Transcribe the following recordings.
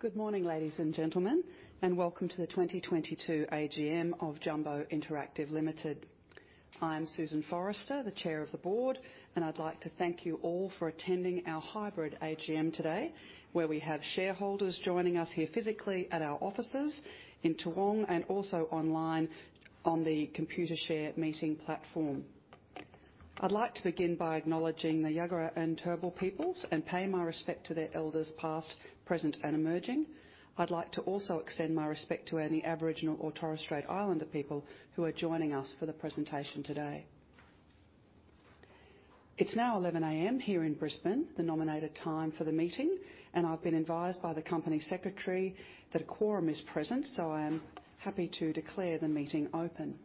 Good morning, ladies and gentlemen, and welcome to the 2022 AGM of Jumbo Interactive Limited. I'm Susan Forrester, the Chair of the board, and I'd like to thank you all for attending our hybrid AGM today, where we have shareholders joining us here physically at our offices in Toowong and also online on the Computershare meeting platform. I'd like to begin by acknowledging the Jagera and Turrbal peoples and pay my respect to their elders past, present, and emerging. I'd like to also extend my respect to any Aboriginal or Torres Strait Islander people who are joining us for the presentation today. It's now 11:00 A.M. here in Brisbane, the nominated time for the meeting, and I've been advised by the company secretary that a quorum is present, so I am happy to declare the meeting open.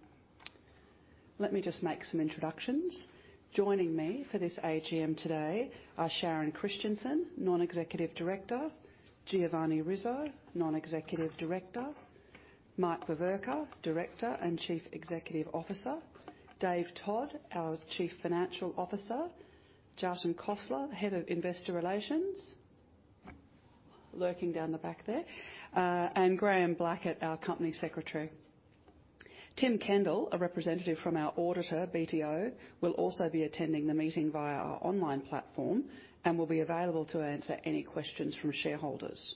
Let me just make some introductions. Joining me for this AGM today are Sharon Christensen, Non-Executive Director, Giovanni Rizzo, Non-Executive Director, Mike Veverka, Director and Chief Executive Officer, David Todd, our Chief Financial Officer, Jatin Khosla, Head of Investor Relations, lurking down the back there, and Graham Blackett, our Company Secretary. Tim Kendall, a representative from our auditor, BDO, will also be attending the meeting via our online platform and will be available to answer any questions from shareholders.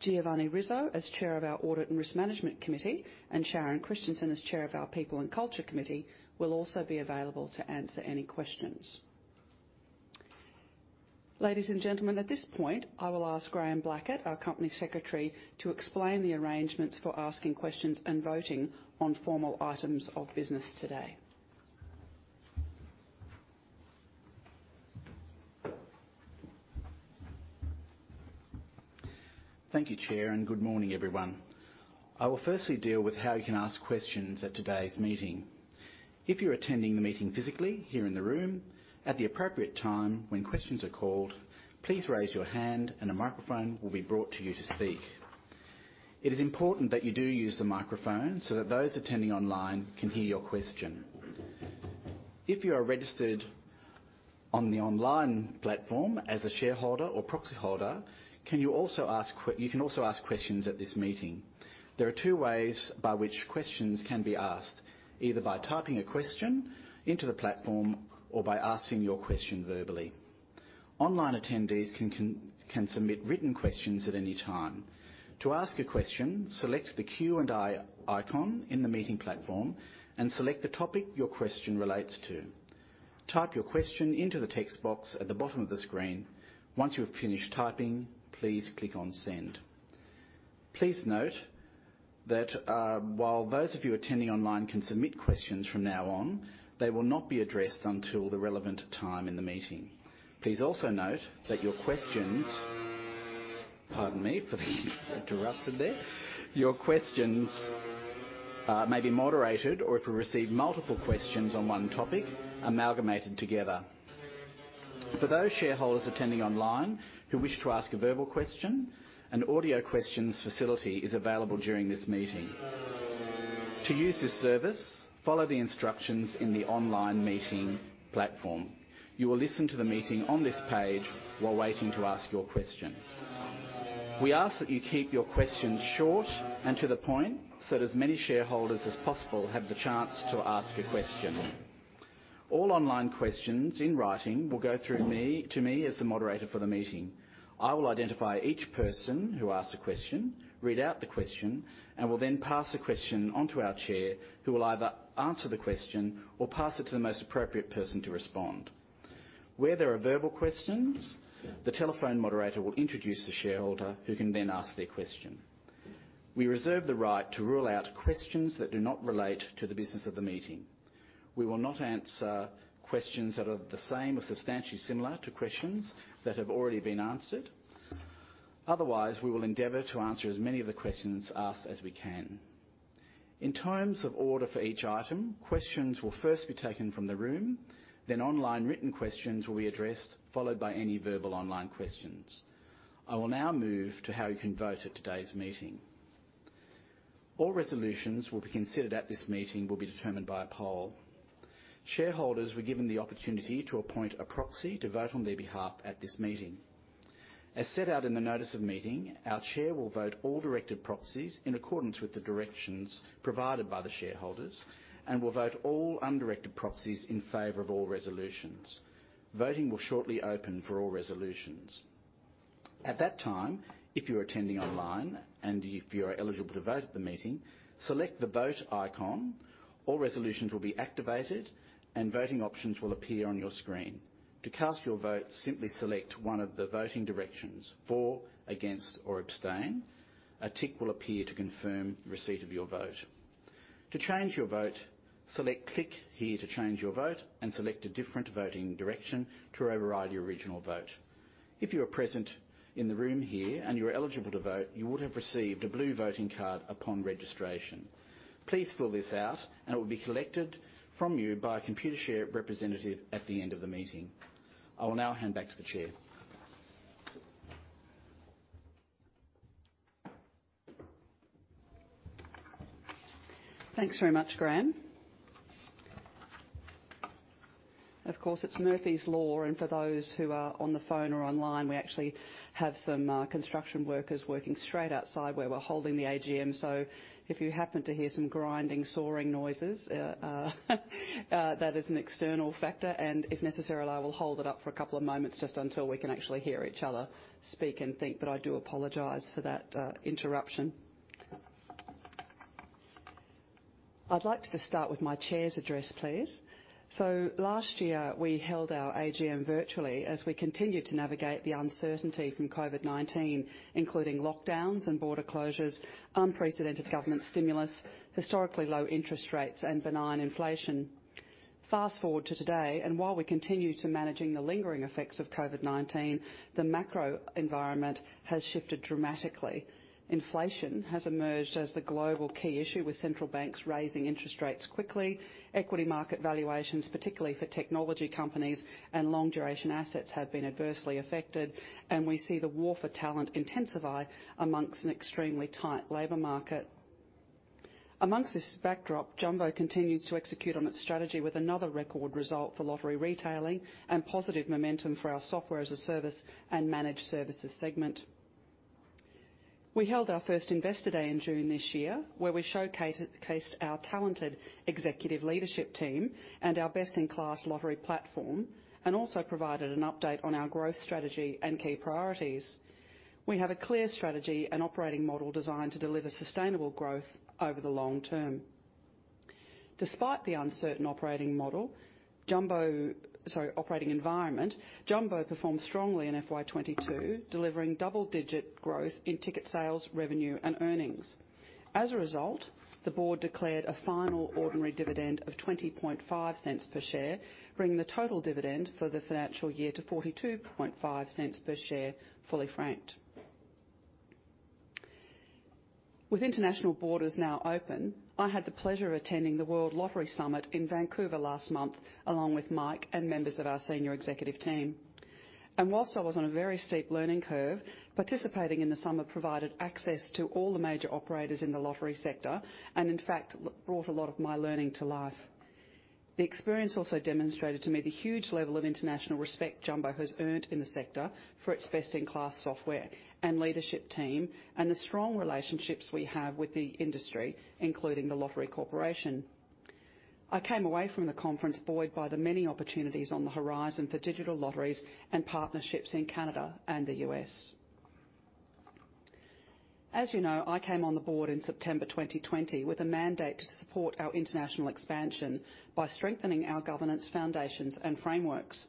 Giovanni Rizzo, as Chair of our Audit and Risk Management Committee, and Sharon Christensen, as Chair of our People and Culture Committee, will also be available to answer any questions. Ladies and gentlemen, at this point, I will ask Graham Blackett, our Company Secretary, to explain the arrangements for asking questions and voting on formal items of business today. Thank you, Chair, and good morning, everyone. I will firstly deal with how you can ask questions at today's meeting. If you're attending the meeting physically here in the room, at the appropriate time when questions are called, please raise your hand and a microphone will be brought to you to speak. It is important that you do use the microphone so that those attending online can hear your question. If you are registered on the online platform as a shareholder or proxy holder, you can also ask questions at this meeting. There are two ways by which questions can be asked, either by typing a question into the platform or by asking your question verbally. Online attendees can submit written questions at any time. To ask a question, select the Q&A icon in the meeting platform and select the topic your question relates to. Type your question into the text box at the bottom of the screen. Once you have finished typing, please click on send. Please note that, while those of you attending online can submit questions from now on, they will not be addressed until the relevant time in the meeting. Please also note that your questions may be moderated, or if we receive multiple questions on one topic, amalgamated together. For those shareholders attending online who wish to ask a verbal question, an audio questions facility is available during this meeting. To use this service, follow the instructions in the online meeting platform. You will listen to the meeting on this page while waiting to ask your question. We ask that you keep your questions short and to the point so that as many shareholders as possible have the chance to ask a question. All online questions in writing will go through me, to me as the moderator for the meeting. I will identify each person who asks a question, read out the question, and will then pass the question on to our chair who will either answer the question or pass it to the most appropriate person to respond. Where there are verbal questions, the telephone moderator will introduce the shareholder who can then ask their question. We reserve the right to rule out questions that do not relate to the business of the meeting. We will not answer questions that are the same or substantially similar to questions that have already been answered. Otherwise, we will endeavor to answer as many of the questions asked as we can. In terms of order for each item, questions will first be taken from the room, then online written questions will be addressed, followed by any verbal online questions. I will now move to how you can vote at today's meeting. All resolutions will be considered at this meeting will be determined by a poll. Shareholders were given the opportunity to appoint a proxy to vote on their behalf at this meeting. As set out in the notice of meeting, our chair will vote all directed proxies in accordance with the directions provided by the shareholders and will vote all undirected proxies in favor of all resolutions. Voting will shortly open for all resolutions. At that time, if you are attending online and if you are eligible to vote at the meeting, select the Vote icon. All resolutions will be activated and voting options will appear on your screen. To cast your vote, simply select one of the voting directions, for, against, or abstain. A tick will appear to confirm receipt of your vote. To change your vote, select Click here to change your vote and select a different voting direction to override your original vote. If you are present in the room here and you are eligible to vote, you would have received a blue voting card upon registration. Please fill this out and it will be collected from you by a Computershare representative at the end of the meeting. I will now hand back to the chair. Thanks very much, Graham. Of course, it's Murphy's Law, and for those who are on the phone or online, we actually have some construction workers working straight outside where we're holding the AGM. If you happen to hear some grinding, sawing noises, that is an external factor. If necessary, I will hold it up for a couple of moments just until we can actually hear each other speak and think, but I do apologize for that interruption. I'd like to start with my chair's address, please. Last year, we held our AGM virtually as we continued to navigate the uncertainty from COVID-19, including lockdowns and border closures, unprecedented government stimulus, historically low interest rates, and benign inflation. Fast-forward to today, and while we continue to managing the lingering effects of COVID-19, the macro environment has shifted dramatically. Inflation has emerged as the global key issue, with central banks raising interest rates quickly. Equity market valuations, particularly for technology companies and long-duration assets, have been adversely affected, and we see the war for talent intensify among an extremely tight labor market. Among this backdrop, Jumbo continues to execute on its strategy with another record result for lottery retailing and positive momentum for our software as a service and Managed Services segment. We held our first Investor Day in June this year, where we showcased our talented executive leadership team and our best-in-class lottery platform, and also provided an update on our growth strategy and key priorities. We have a clear strategy and operating model designed to deliver sustainable growth over the long term. Despite the uncertain operating environment, Jumbo performed strongly in FY 2022, delivering double-digit growth in ticket sales, revenue, and earnings. As a result, the board declared a final ordinary dividend of 0.205 per share, bringing the total dividend for the financial year to 0.425 per share, fully franked. With international borders now open, I had the pleasure of attending the World Lottery Summit in Vancouver last month, along with Mike and members of our senior executive team. While I was on a very steep learning curve, participating in the summit provided access to all the major operators in the lottery sector and, in fact, brought a lot of my learning to life. The experience also demonstrated to me the huge level of international respect Jumbo has earned in the sector for its best-in-class software and leadership team and the strong relationships we have with the industry, including the Lottery Corporation. I came away from the conference buoyed by the many opportunities on the horizon for digital lotteries and partnerships in Canada and the U.S. As you know, I came on the board in September 2020 with a mandate to support our international expansion by strengthening our governance foundations and frameworks.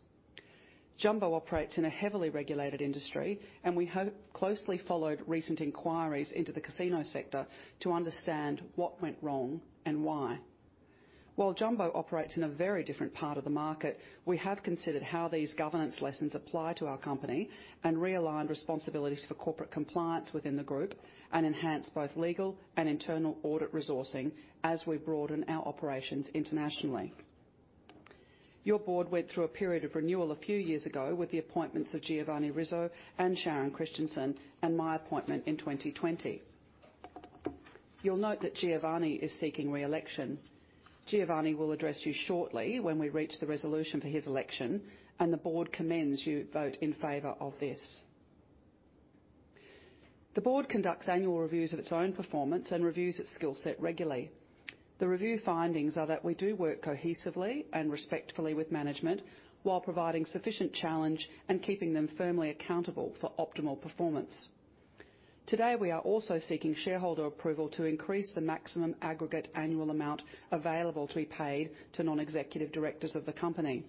Jumbo operates in a heavily regulated industry, and we have closely followed recent inquiries into the casino sector to understand what went wrong and why. While Jumbo operates in a very different part of the market, we have considered how these governance lessons apply to our company and realigned responsibilities for corporate compliance within the group and enhanced both legal and internal audit resourcing as we broaden our operations internationally. Your board went through a period of renewal a few years ago with the appointments of Giovanni Rizzo and Sharon Christensen, and my appointment in 2020. You'll note that Giovanni is seeking re-election. Giovanni will address you shortly when we reach the resolution for his election, and the board recommends you vote in favor of this. The board conducts annual reviews of its own performance and reviews its skill set regularly. The review findings are that we do work cohesively and respectfully with management while providing sufficient challenge and keeping them firmly accountable for optimal performance. Today, we are also seeking shareholder approval to increase the maximum aggregate annual amount available to be paid to non-executive directors of the company.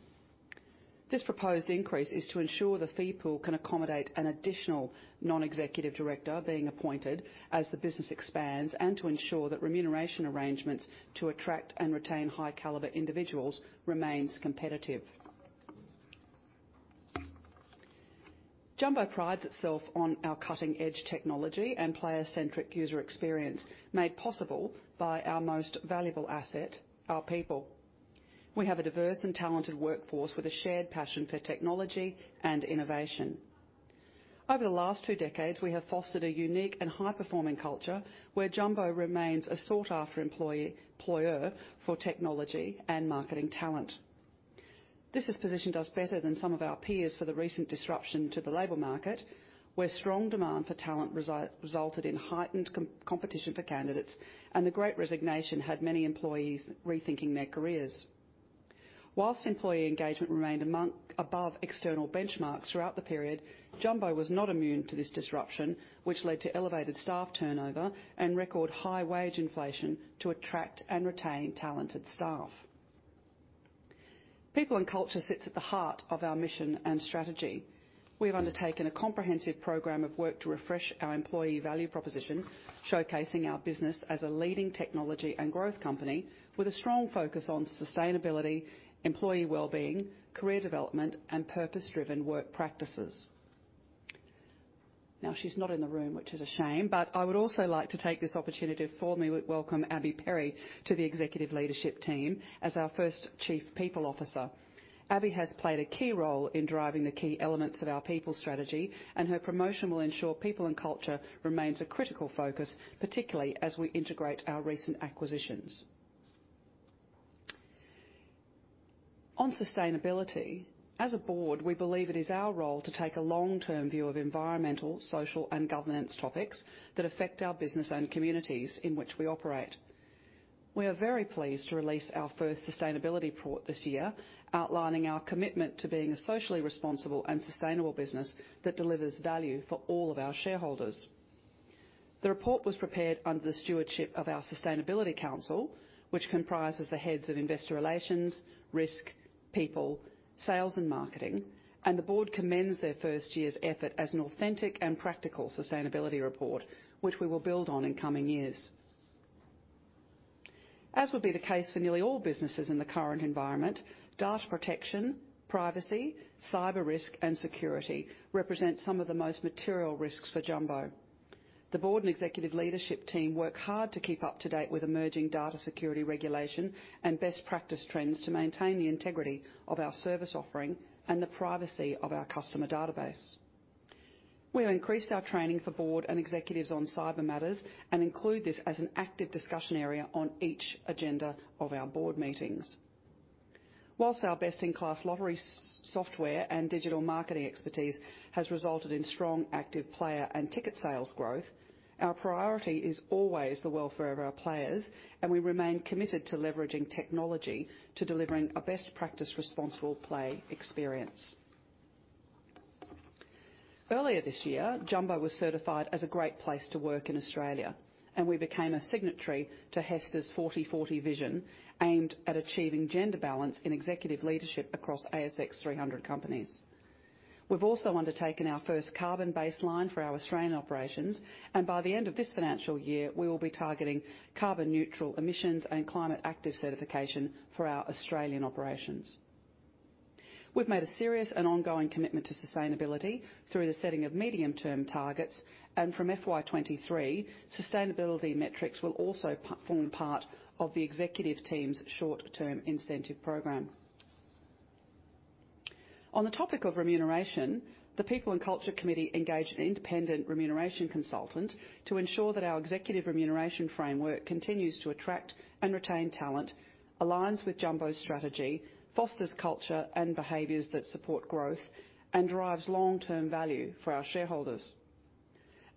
This proposed increase is to ensure the fee pool can accommodate an additional non-executive director being appointed as the business expands and to ensure that remuneration arrangements to attract and retain high-caliber individuals remains competitive. Jumbo prides itself on our cutting-edge technology and player-centric user experience, made possible by our most valuable asset, our people. We have a diverse and talented workforce with a shared passion for technology and innovation. Over the last two decades, we have fostered a unique and high-performing culture where Jumbo remains a sought-after employer for technology and marketing talent. This has positioned us better than some of our peers for the recent disruption to the labor market, where strong demand for talent resulted in heightened competition for candidates and the great resignation had many employees rethinking their careers. While employee engagement remained above external benchmarks throughout the period, Jumbo was not immune to this disruption, which led to elevated staff turnover and record high wage inflation to attract and retain talented staff. People and culture sits at the heart of our mission and strategy. We've undertaken a comprehensive program of work to refresh our employee value proposition, showcasing our business as a leading technology and growth company with a strong focus on sustainability, employee wellbeing, career development, and purpose-driven work practices. Now, she's not in the room, which is a shame, but I would also like to take this opportunity for me to welcome Abby Perry to the executive leadership team as our first Chief People Officer. Abby has played a key role in driving the key elements of our people strategy, and her promotion will ensure people and culture remains a critical focus, particularly as we integrate our recent acquisitions. On sustainability, as a board, we believe it is our role to take a long-term view of environmental, social, and governance topics that affect our business and communities in which we operate. We are very pleased to release our first sustainability report this year, outlining our commitment to being a socially responsible and sustainable business that delivers value for all of our shareholders. The report was prepared under the stewardship of our sustainability council, which comprises the heads of investor relations, risk, people, sales, and marketing, and the board commends their first year's effort as an authentic and practical sustainability report, which we will build on in coming years. As would be the case for nearly all businesses in the current environment, data protection, privacy, cyber risk, and security represent some of the most material risks for Jumbo. The board and executive leadership team work hard to keep up to date with emerging data security regulation and best practice trends to maintain the integrity of our service offering and the privacy of our customer database. We increased our training for board and executives on cyber matters and include this as an active discussion area on each agenda of our board meetings. While our best-in-class lottery software and digital marketing expertise has resulted in strong active player and ticket sales growth, our priority is always the welfare of our players, and we remain committed to leveraging technology to delivering a best practice responsible play experience. Earlier this year, Jumbo was certified as a great place to work in Australia, and we became a signatory to HESTA's 40:40 Vision aimed at achieving gender balance in executive leadership across ASX 300 companies. We've also undertaken our first carbon baseline for our Australian operations, and by the end of this financial year, we will be targeting carbon neutral emissions and Climate Active certification for our Australian operations. We've made a serious and ongoing commitment to sustainability through the setting of medium-term targets, and from FY 2023, sustainability metrics will also form part of the executive team's short-term incentive program. On the topic of remuneration, the people and culture committee engaged an independent remuneration consultant to ensure that our executive remuneration framework continues to attract and retain talent, aligns with Jumbo's strategy, fosters culture and behaviors that support growth, and drives long-term value for our shareholders.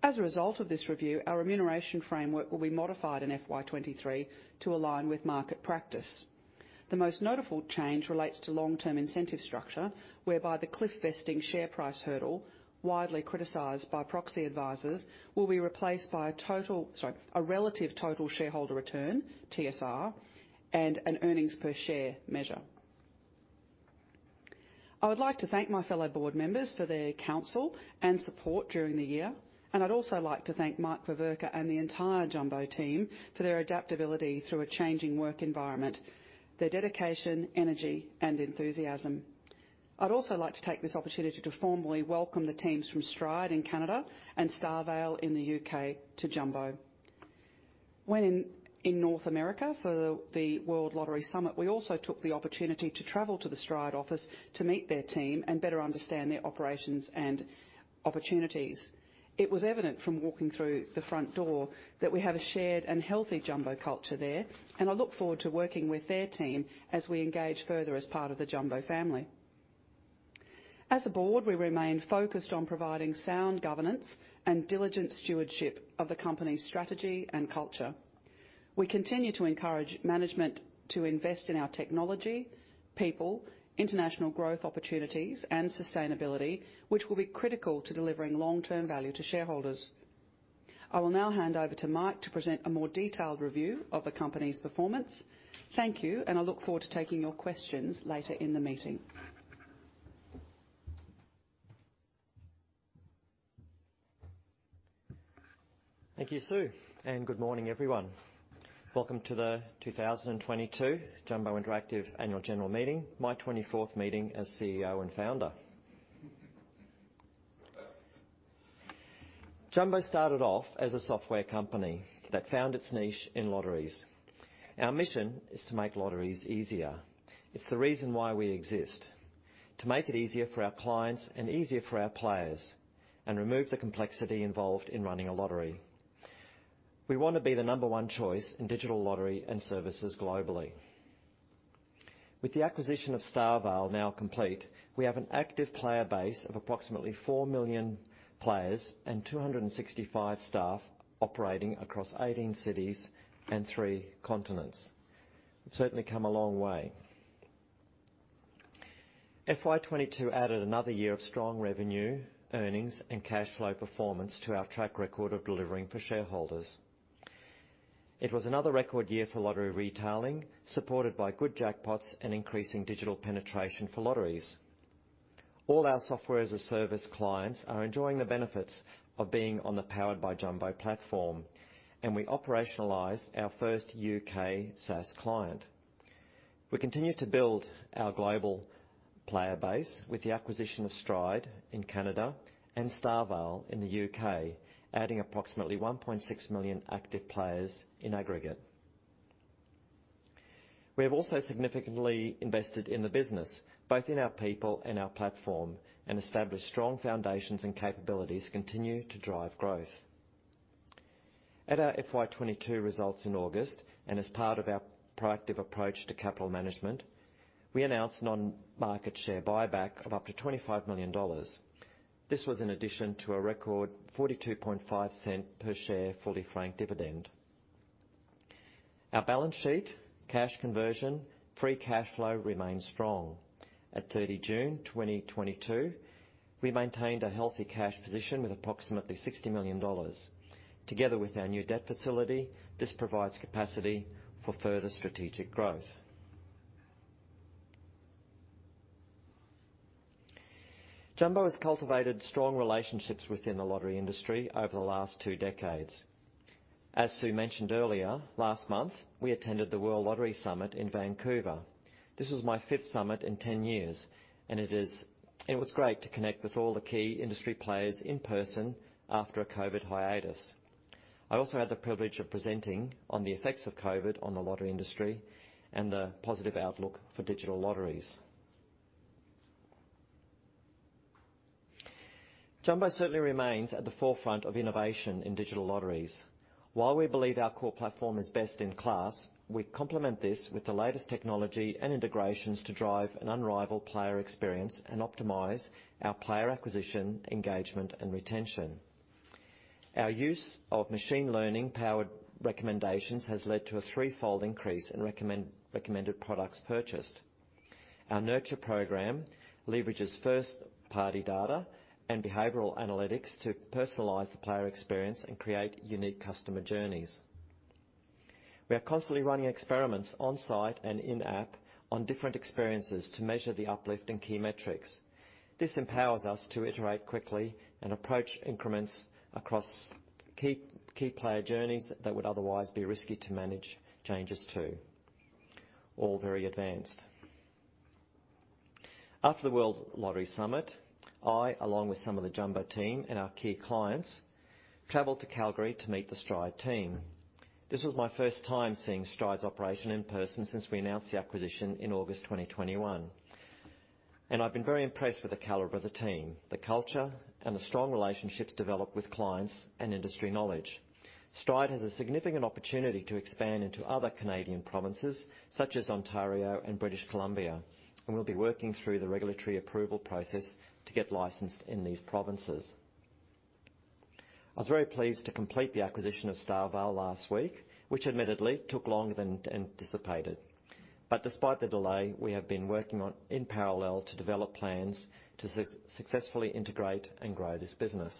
As a result of this review, our remuneration framework will be modified in FY 2023 to align with market practice. The most notable change relates to long-term incentive structure, whereby the cliff vesting share price hurdle, widely criticized by proxy advisors, will be replaced by a total, sorry, a relative total shareholder return, TSR, and an earnings per share measure. I would like to thank my fellow board members for their counsel and support during the year, and I'd also like to thank Mike Veverka and the entire Jumbo team for their adaptability through a changing work environment, their dedication, energy, and enthusiasm. I'd also like to take this opportunity to formally welcome the teams from Stride in Canada and StarVale in the UK to Jumbo. When in North America for the World Lottery Summit, we also took the opportunity to travel to the Stride office to meet their team and better understand their operations and opportunities. It was evident from walking through the front door that we have a shared and healthy Jumbo culture there, and I look forward to working with their team as we engage further as part of the Jumbo family. As a board, we remain focused on providing sound governance and diligent stewardship of the company's strategy and culture. We continue to encourage management to invest in our technology, people, international growth opportunities, and sustainability, which will be critical to delivering long-term value to shareholders. I will now hand over to Mike to present a more detailed review of the company's performance. Thank you, and I look forward to taking your questions later in the meeting. Thank you, Sue, and good morning, everyone. Welcome to the 2022 Jumbo Interactive annual general meeting, my 24th meeting as CEO and founder. Jumbo started off as a software company that found its niche in lotteries. Our mission is to make lotteries easier. It's the reason why we exist, to make it easier for our clients and easier for our players and remove the complexity involved in running a lottery. We wanna be the number one choice in digital lottery and services globally. With the acquisition of StarVale now complete, we have an active player base of approximately four million players and 265 staff operating across 18 cities and three continents. We've certainly come a long way. FY 2022 added another year of strong revenue, earnings, and cash flow performance to our track record of delivering for shareholders. It was another record year for lottery retailing, supported by good jackpots and increasing digital penetration for lotteries. All our software as a service clients are enjoying the benefits of being on the Powered by Jumbo platform, and we operationalized our first UK SaaS client. We continue to build our global player base with the acquisition of Stride in Canada and StarVale in the UK, adding approximately 1.6 million active players in aggregate. We have also significantly invested in the business, both in our people and our platform, and established strong foundations and capabilities continue to drive growth. At our FY 2022 results in August, and as part of our proactive approach to capital management, we announced an on-market share buyback of up to 25 million dollars. This was in addition to a record 0.425 per share fully franked dividend. Our balance sheet, cash conversion, free cash flow remains strong. At June 30, 2022, we maintained a healthy cash position with approximately 60 million dollars. Together with our new debt facility, this provides capacity for further strategic growth. Jumbo has cultivated strong relationships within the lottery industry over the last two decades. As Sue mentioned earlier, last month, we attended the World Lottery Summit in Vancouver. This was my fifth summit in 10 years, and it was great to connect with all the key industry players in person after a COVID hiatus. I also had the privilege of presenting on the effects of COVID on the lottery industry and the positive outlook for digital lotteries. Jumbo certainly remains at the forefront of innovation in digital lotteries. While we believe our core platform is best in class, we complement this with the latest technology and integrations to drive an unrivaled player experience and optimize our player acquisition, engagement, and retention. Our use of machine learning-powered recommendations has led to a threefold increase in recommended products purchased. Our nurture program leverages first-party data and behavioral analytics to personalize the player experience and create unique customer journeys. We are constantly running experiments on-site and in-app on different experiences to measure the uplift in key metrics. This empowers us to iterate quickly and approach increments across key player journeys that would otherwise be risky to manage changes to. All very advanced. After the World Lottery Summit, I, along with some of the Jumbo team and our key clients, traveled to Calgary to meet the Stride team. This was my first time seeing Stride's operation in person since we announced the acquisition in August 2021, and I've been very impressed with the caliber of the team, the culture, and the strong relationships developed with clients and industry knowledge. Stride has a significant opportunity to expand into other Canadian provinces, such as Ontario and British Columbia, and we'll be working through the regulatory approval process to get licensed in these provinces. I was very pleased to complete the acquisition of StarVale last week, which admittedly took longer than anticipated. Despite the delay, we have been working on in parallel to develop plans to successfully integrate and grow this business.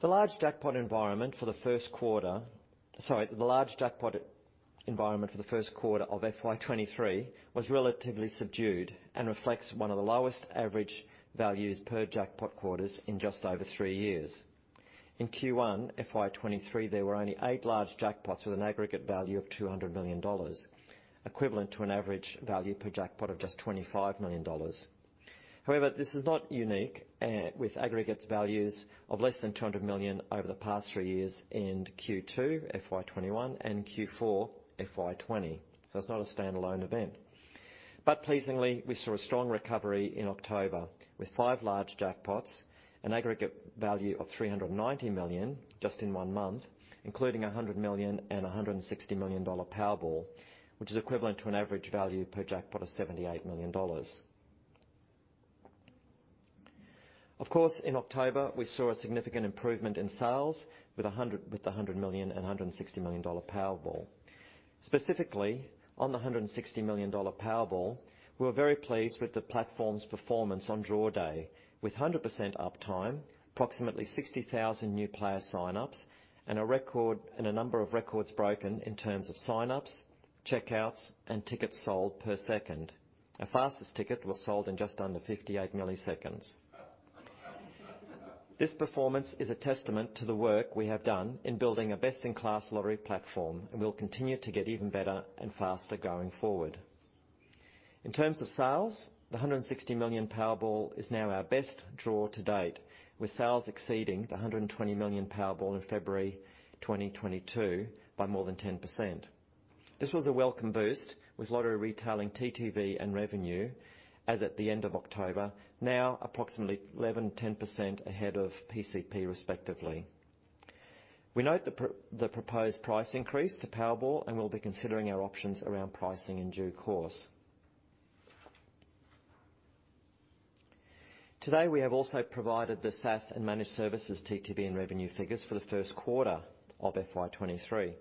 The large jackpot environment for the Q1. The large jackpot environment for the Q1 of FY23 was relatively subdued and reflects one of the lowest average values per jackpot quarters in just over three years. In Q1 FY23, there were only eight large jackpots with an aggregate value of 200 million dollars, equivalent to an average value per jackpot of just 25 million dollars. This is not unique, with aggregate values of less than 200 million over the past three years in Q2 FY 2021 and Q4 FY 220. It's not a standalone event. Pleasingly, we saw a strong recovery in October with five large jackpots, an aggregate value of 390 million just in one month, including a 100 million and a 160 million dollar Powerball, which is equivalent to an average value per jackpot of 78 million dollars. Of course, in October, we saw a significant improvement in sales with the 100 million and 160 million-dollar Powerball. Specifically, on the 160 million-dollar Powerball, we were very pleased with the platform's performance on draw day with 100% uptime, approximately 60,000 new player sign-ups, and a record and a number of records broken in terms of sign-ups, checkouts, and tickets sold per second. Our fastest ticket was sold in just under 58 milliseconds. This performance is a testament to the work we have done in building a best-in-class lottery platform and will continue to get even better and faster going forward. In terms of sales, the 160 million Powerball is now our best draw to date, with sales exceeding the 120 million Powerball in February 2022 by more than 10%. This was a welcome boost with lottery retailing TTV and revenue as at the end of October, now approximately 11%, 10% ahead of PCP respectively. We note the proposed price increase to Powerball, and we'll be considering our options around pricing in due course. Today, we have also provided the SaaS and managed services TTV and revenue figures for the Q1 of FY 2023.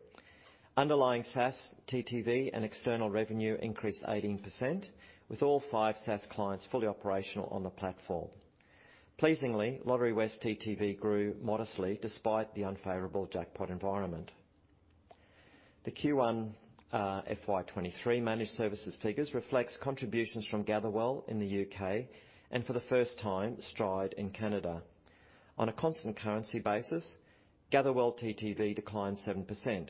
Underlying SaaS, TTV, and external revenue increased 18%, with all five SaaS clients fully operational on the platform. Pleasingly, Lotterywest TTV grew modestly despite the unfavorable jackpot environment. The Q1 FY 2023 managed services figures reflect contributions from Gatherwell in the UK and, for the first time, Stride in Canada. On a constant currency basis, Gatherwell TTV declined 7%.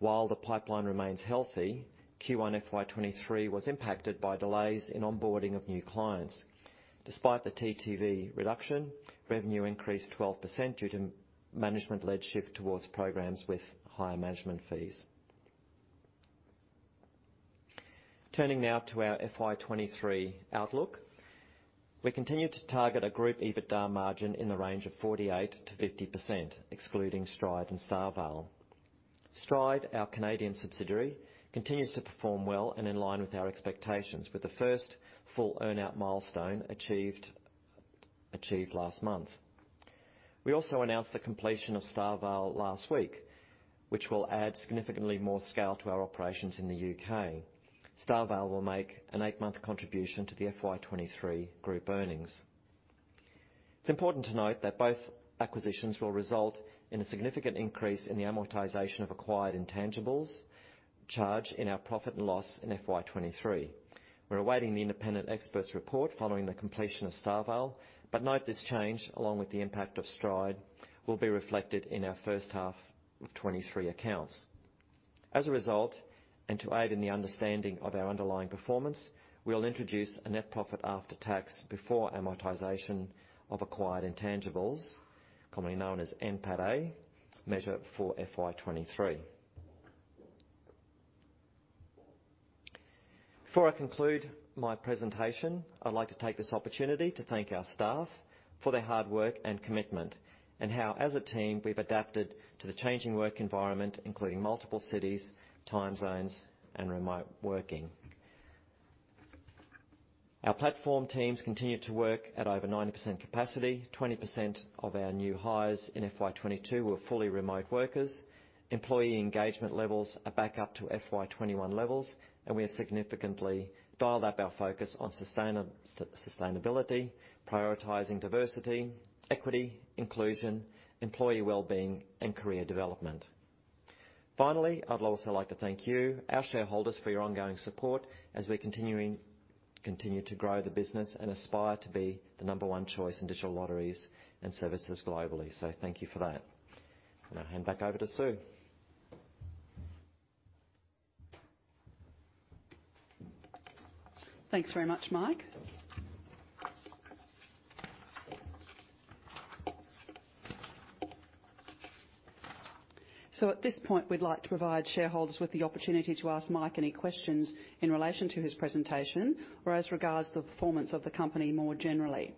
While the pipeline remains healthy, Q1 FY 2023 was impacted by delays in onboarding of new clients. Despite the TTV reduction, revenue increased 12% due to management-led shift towards programs with higher management fees. Turning now to our FY 2023 outlook. We continue to target a group EBITDA margin in the range of 48%-50%, excluding Stride and StarVale. Stride, our Canadian subsidiary, continues to perform well and in line with our expectations. With the first full earn-out milestone achieved last month. We also announced the completion of StarVale last week, which will add significantly more scale to our operations in the UK. StarVale will make an eight-month contribution to the FY 2023 group earnings. It's important to note that both acquisitions will result in a significant increase in the amortization of acquired intangibles charge in our profit and loss in FY 2023. We're awaiting the independent expert's report following the completion of StarVale, but note this change, along with the impact of Stride, will be reflected in our first half of 2023 accounts. As a result, and to aid in the understanding of our underlying performance, we'll introduce a net profit after tax before amortization of acquired intangibles, commonly known as NPATA, measure for FY 2023. Before I conclude my presentation, I'd like to take this opportunity to thank our staff for their hard work and commitment, and how, as a team, we've adapted to the changing work environment, including multiple cities, time zones, and remote working. Our platform teams continue to work at over 90% capacity. 20% of our new hires in FY 2022 were fully remote workers. Employee engagement levels are back up to FY 2021 levels, and we have significantly dialed up our focus on sustainability, prioritizing diversity, equity, inclusion, employee well-being, and career development. Finally, I'd also like to thank you, our shareholders, for your ongoing support as we continue to grow the business and aspire to be the number one choice in digital lotteries and services globally. Thank you for that. I'm gonna hand back over to Sue. Thanks very much, Mike. At this point, we'd like to provide shareholders with the opportunity to ask Mike any questions in relation to his presentation or as regards to the performance of the company more generally.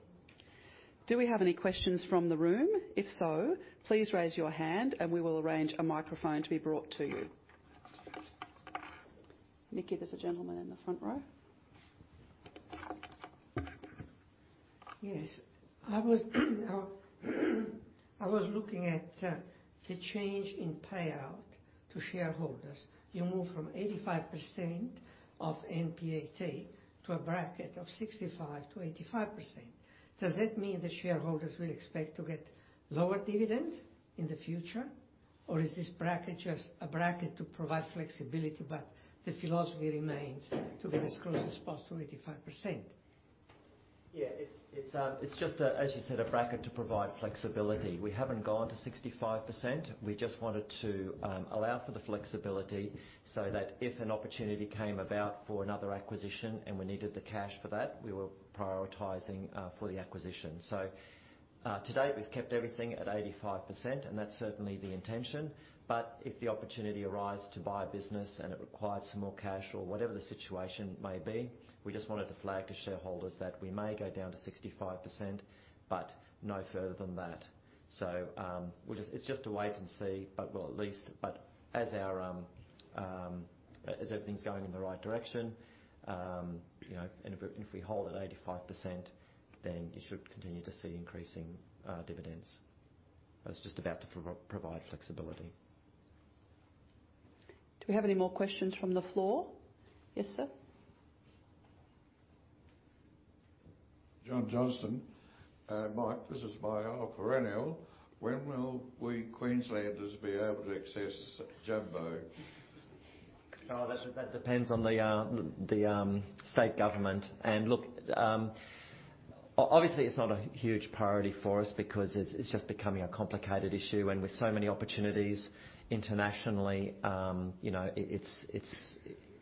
Do we have any questions from the room? If so, please raise your hand and we will arrange a microphone to be brought to you. Nikki, there's a gentleman in the front row. Yes. I was looking at the change in payout to shareholders. You moved from 85% of NPATA to a bracket of 65%-85%. Does that mean the shareholders will expect to get lower dividends in the future, or is this bracket just a bracket to provide flexibility, but the philosophy remains to be as close as possible to 85%? Yeah. It's just a, as you said, a bracket to provide flexibility. We haven't gone to 65%. We just wanted to allow for the flexibility so that if an opportunity came about for another acquisition and we needed the cash for that, we were prioritizing for the acquisition. To date, we've kept everything at 85%, and that's certainly the intention. If the opportunity arise to buy a business and it required some more cash or whatever the situation may be, we just wanted to flag to shareholders that we may go down to 65%, but no further than that. It's just to wait and see, but we'll at least. As everything's going in the right direction, you know, and if we hold at 85%, then you should continue to see increasing dividends. I was just about to provide flexibility. Do we have any more questions from the floor? Yes, sir. John Johnston. Mike, this is my perennial. When will we Queenslanders be able to access Jumbo? Oh, that depends on the state government. Look, obviously it's not a huge priority for us because it's just becoming a complicated issue, and with so many opportunities internationally, you know,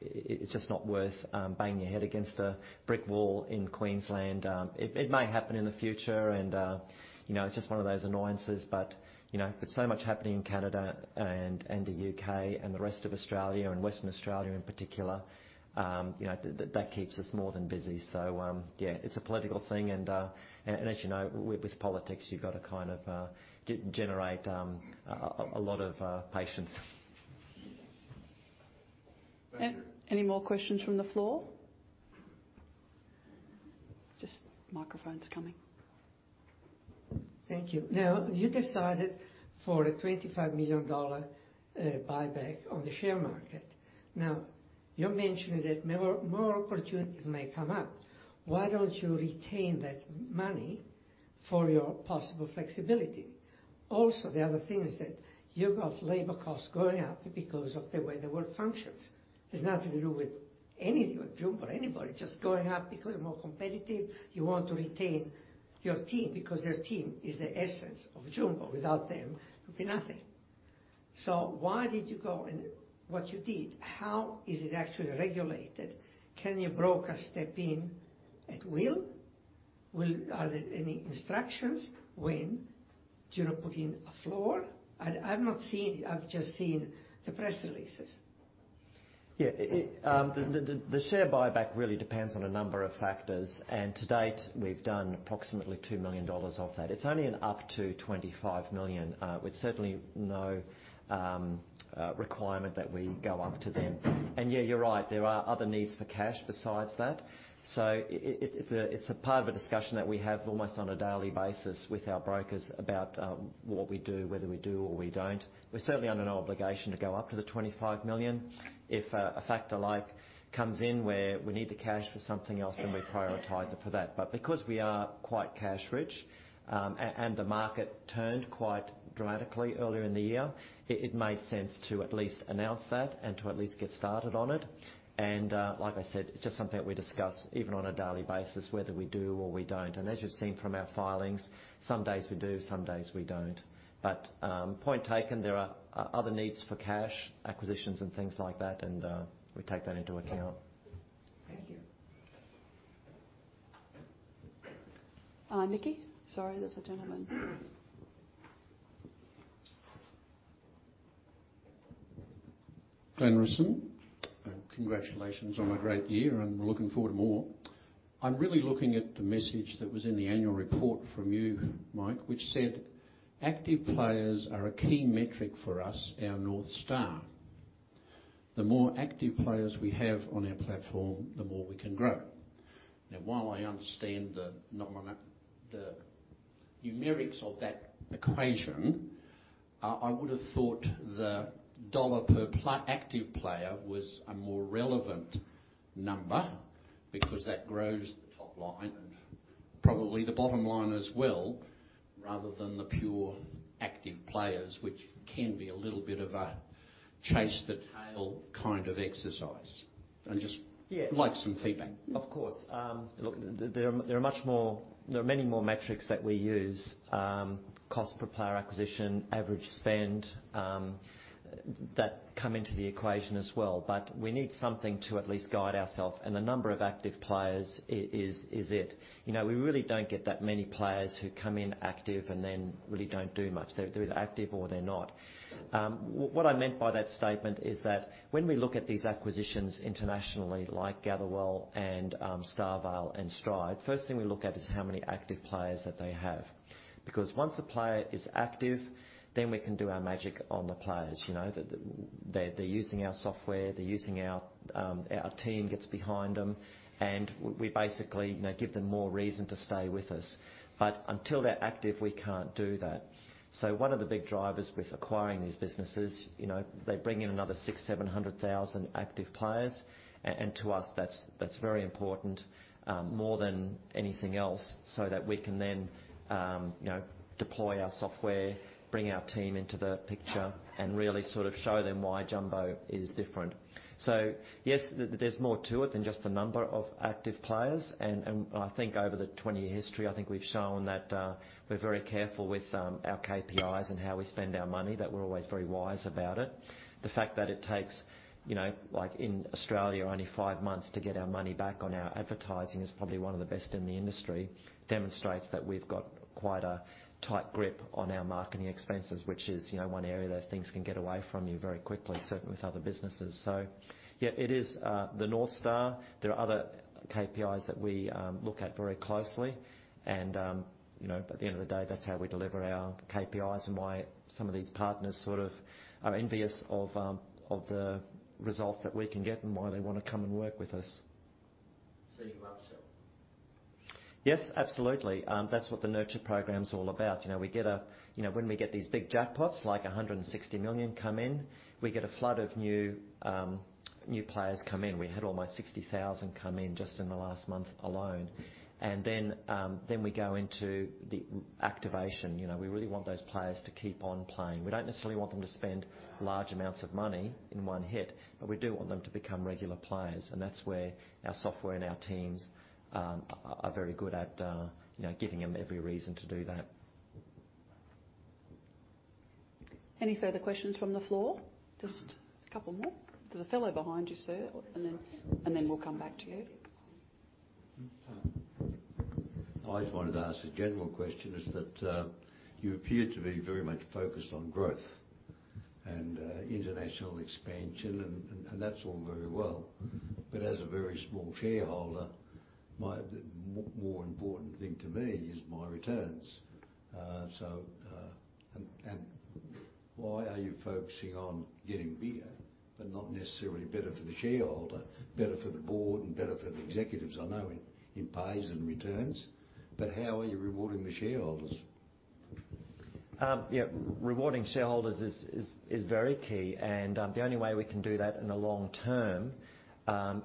it's just not worth banging your head against a brick wall in Queensland. It may happen in the future and, you know, it's just one of those annoyances. You know, with so much happening in Canada and the UK and the rest of Australia and Western Australia in particular, you know, that keeps us more than busy. Yeah, it's a political thing, and as you know, with politics, you've got to kind of generate a lot of patience. Thank you. Any more questions from the floor? Just microphone's coming. Thank you. Now, you decided for an 25 million dollar buyback on the share market. Now, you're mentioning that more opportunities may come up. Why don't you retain that money for your possible flexibility? Also, the other thing is that you've got labor costs going up because of the way the world functions. It's nothing to do with anything with Jumbo or anybody. Just going up because you're more competitive. You want to retain your team because your team is the essence of Jumbo. Without them, there'd be nothing. Why did you go and what you did, how is it actually regulated? Can your broker step in at will? Are there any instructions when do you not put in a floor? I've not seen it. I've just seen the press releases. Yeah. The share buyback really depends on a number of factors. To date, we've done approximately 2 million dollars of that. It's only up to 25 million, with certainly no requirement that we go up to them. Yeah, you're right, there are other needs for cash besides that. It's a part of a discussion that we have almost on a daily basis with our brokers about what we do, whether we do or we don't. We're certainly under no obligation to go up to the 25 million. If a factor comes in where we need the cash for something else, then we prioritize it for that. Because we are quite cash rich, and the market turned quite dramatically earlier in the year, it made sense to at least announce that and to at least get started on it. Like I said, it's just something that we discuss even on a daily basis, whether we do or we don't. As you've seen from our filings, some days we do, some days we don't. Point taken, there are other needs for cash, acquisitions and things like that, and we take that into account. Thank you. Nikki? Sorry, there's a gentleman. Congratulations on a great year, and we're looking forward to more. I'm really looking at the message that was in the annual report from you, Mike, which said, "Active players are a key metric for us, our North Star. The more active players we have on our platform, the more we can grow." Now, while I understand the numerics of that equation, I would have thought the dollar per active player was a more relevant number because that grows the top line and probably the bottom line as well, rather than the pure active players, which can be a little bit of a chase the tail kind of exercise. I just- Yeah. Would like some feedback. Of course. Look, there are many more metrics that we use, cost per player acquisition, average spend, that come into the equation as well. We need something to at least guide ourselves, and the number of active players is it. You know, we really don't get that many players who come in active and then really don't do much. They're active or they're not. What I meant by that statement is that when we look at these acquisitions internationally, like Gatherwell and StarVale and Stride, first thing we look at is how many active players that they have. Because once a player is active, then we can do our magic on the players. You know, they're using our software, they're using our. Our team gets behind them, and we basically, you know, give them more reason to stay with us. Until they're active, we can't do that. One of the big drivers with acquiring these businesses, you know, they bring in another 600,000-700,000 active players. To us, that's very important, more than anything else, so that we can then, you know, deploy our software, bring our team into the picture, and really sort of show them why Jumbo is different. Yes, there's more to it than just the number of active players. I think over the 20-year history, I think we've shown that, we're very careful with our KPIs and how we spend our money, that we're always very wise about it. The fact that it takes, you know, like in Australia, only five months to get our money back on our advertising is probably one of the best in the industry. Demonstrates that we've got quite a tight grip on our marketing expenses, which is, you know, one area that things can get away from you very quickly, certainly with other businesses. Yeah, it is the North Star. There are other KPIs that we look at very closely. You know, at the end of the day, that's how we deliver our KPIs and why some of these partners sort of are envious of the results that we can get and why they wanna come and work with us. You upsell? Yes, absolutely. That's what the nurture program's all about. You know, we get a. You know, when we get these big jackpots, like 160 million come in, we get a flood of new players come in. We had almost 60,000 come in just in the last month alone. Then we go into the activation. You know, we really want those players to keep on playing. We don't necessarily want them to spend large amounts of money in one hit, but we do want them to become regular players. That's where our software and our teams are very good at, you know, giving them every reason to do that. Any further questions from the floor? Just a couple more. There's a fellow behind you, sir. We'll come back to you. I just wanted to ask a general question. You appear to be very much focused on growth and international expansion, and that's all very well. As a very small shareholder, the more important thing to me is my returns. Why are you focusing on getting bigger but not necessarily better for the shareholder, better for the board and better for the executives? I know in pay and returns, but how are you rewarding the shareholders? Yeah. Rewarding shareholders is very key. The only way we can do that in the long term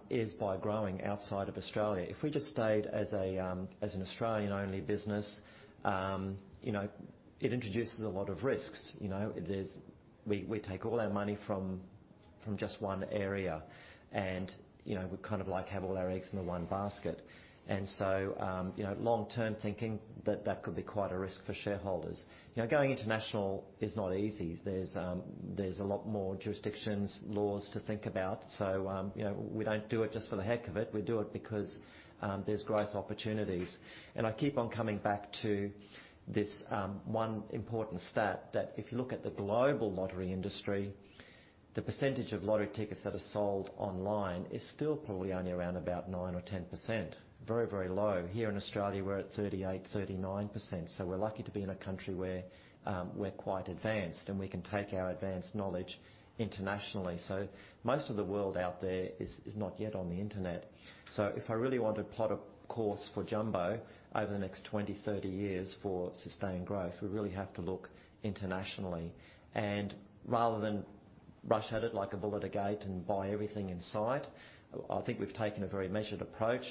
is by growing outside of Australia. If we just stayed as a as an Australian-only business, you know, it introduces a lot of risks. You know, we take all our money from just one area. You know, we kind of like have all our eggs in one basket. You know, long-term thinking that that could be quite a risk for shareholders. You know, going international is not easy. There's a lot more jurisdictions, laws to think about. You know, we don't do it just for the heck of it. We do it because there's growth opportunities. I keep on coming back to this, one important stat that if you look at the global lottery industry, the percentage of lottery tickets that are sold online is still probably only around about 9%-10%. Very low. Here in Australia, we're at 38%-39%. We're lucky to be in a country where, we're quite advanced, and we can take our advanced knowledge internationally. Most of the world out there is not yet on the Internet. If I really want to plot a course for Jumbo over the next 20, 30 years for sustained growth, we really have to look internationally. Rather than rush at it like a bull at a gate and buy everything in sight, I think we've taken a very measured approach,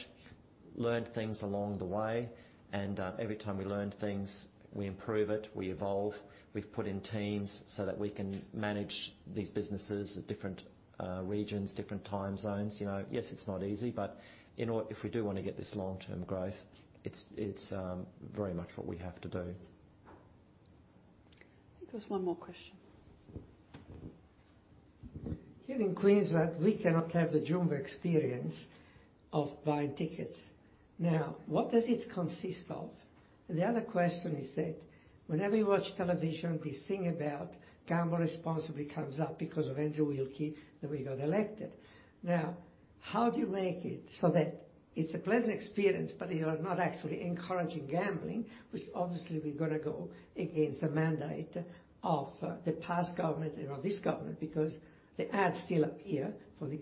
learned things along the way, and every time we learn things, we improve it, we evolve. We've put in teams so that we can manage these businesses at different regions, different time zones, you know. Yes, it's not easy, but if we do wanna get this long-term growth, it's very much what we have to do. I think there's one more question. Here in Queensland, we cannot have the Jumbo experience of buying tickets. Now, what does it consist of? The other question is that whenever you watch television, this thing about gamble responsibly comes up because of Andrew Wilkie, that we got elected. Now, how do you make it so that it's a pleasant experience, but you're not actually encouraging gambling, which obviously we're gonna go against the mandate of, the past government or this government, because the ads still appear for these,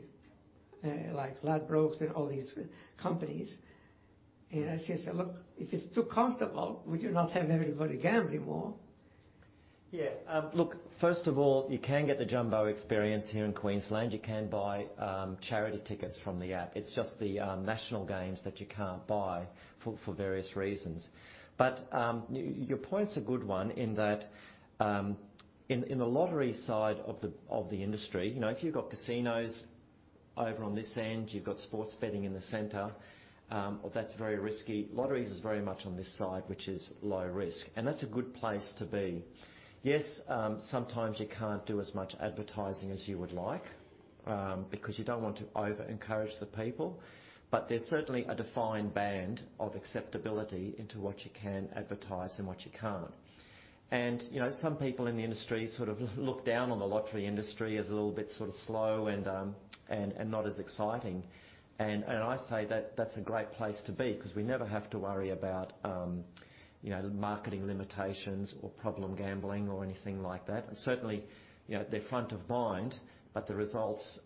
like Ladbrokes and all these companies. You know, so look, if it's too comfortable, we do not have everybody gambling more. Yeah. Look, first of all, you can get the Jumbo experience here in Queensland. You can buy charity tickets from the app. It's just the national games that you can't buy for various reasons. Your point's a good one in that, in the lottery side of the industry, you know, if you've got casinos over on this end, you've got sports betting in the center, that's very risky. Lotteries is very much on this side, which is low risk. That's a good place to be. Yes, sometimes you can't do as much advertising as you would like because you don't want to over-encourage the people. There's certainly a defined band of acceptability into what you can advertise and what you can't. You know, some people in the industry sort of look down on the lottery industry as a little bit sort of slow and not as exciting. I say that that's a great place to be because we never have to worry about, you know, the marketing limitations or problem gambling or anything like that. Certainly, you know, they're front of mind, but the results,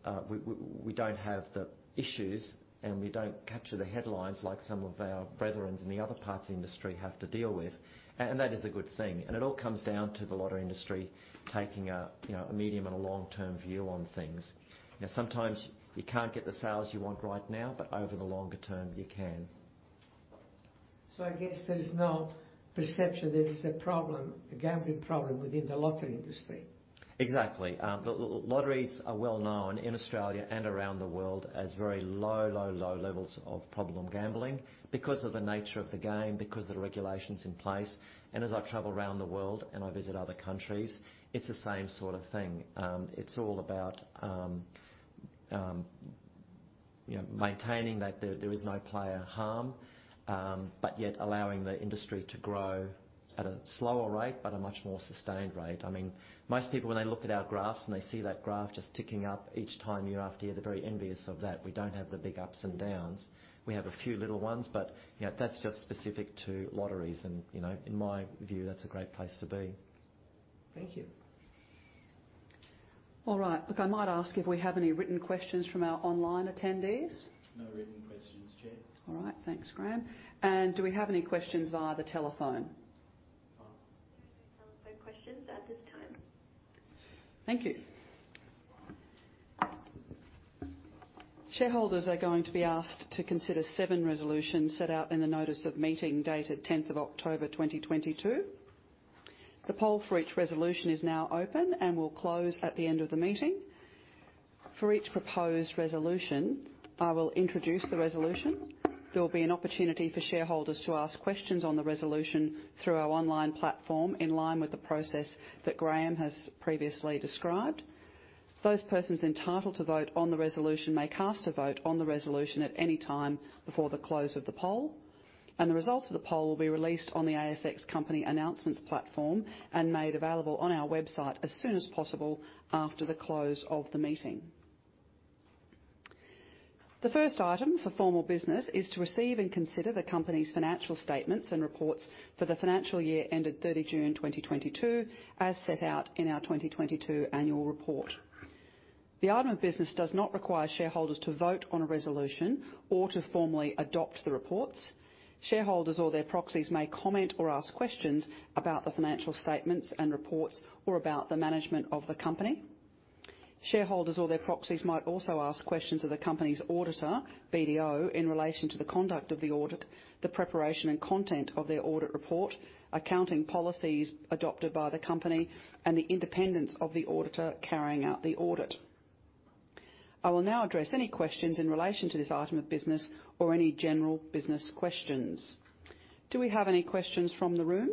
we don't have the issues, and we don't capture the headlines like some of our brethren in the other parts of the industry have to deal with. That is a good thing. It all comes down to the lottery industry taking a, you know, a medium and a long-term view on things. You know, sometimes you can't get the sales you want right now, but over the longer term, you can. I guess there is no perception there is a problem, a gambling problem within the lottery industry. Exactly. Lotteries are well known in Australia and around the world as very low levels of problem gambling because of the nature of the game, because of the regulations in place. As I travel around the world and I visit other countries, it's the same sort of thing. It's all about, you know, maintaining that there is no player harm, but yet allowing the industry to grow at a slower rate but a much more sustained rate. I mean, most people, when they look at our graphs and they see that graph just ticking up each time year after year, they're very envious of that. We don't have the big ups and downs. We have a few little ones, but, you know, that's just specific to lotteries and, you know, in my view, that's a great place to be. Thank you. All right. Look, I might ask if we have any written questions from our online attendees. No written questions, Chair. All right. Thanks, Graham. Do we have any questions via the telephone? None. There are no telephone questions at this time. Thank you. Shareholders are going to be asked to consider seven resolutions set out in the notice of meeting dated October 10th, 2022. The poll for each resolution is now open and will close at the end of the meeting. For each proposed resolution, I will introduce the resolution. There will be an opportunity for shareholders to ask questions on the resolution through our online platform in line with the process that Graham has previously described. Those persons entitled to vote on the resolution may cast a vote on the resolution at any time before the close of the poll, and the results of the poll will be released on the ASX Company Announcements platform and made available on our website as soon as possible after the close of the meeting. The first item for formal business is to receive and consider the company's financial statements and reports for the financial year ended June 30, 2022, as set out in our 2022 annual report. The item of business does not require shareholders to vote on a resolution or to formally adopt the reports. Shareholders or their proxies may comment or ask questions about the financial statements and reports or about the management of the company. Shareholders or their proxies might also ask questions of the company's auditor, BDO, in relation to the conduct of the audit, the preparation and content of their audit report, accounting policies adopted by the company, and the independence of the auditor carrying out the audit. I will now address any questions in relation to this item of business or any general business questions. Do we have any questions from the room?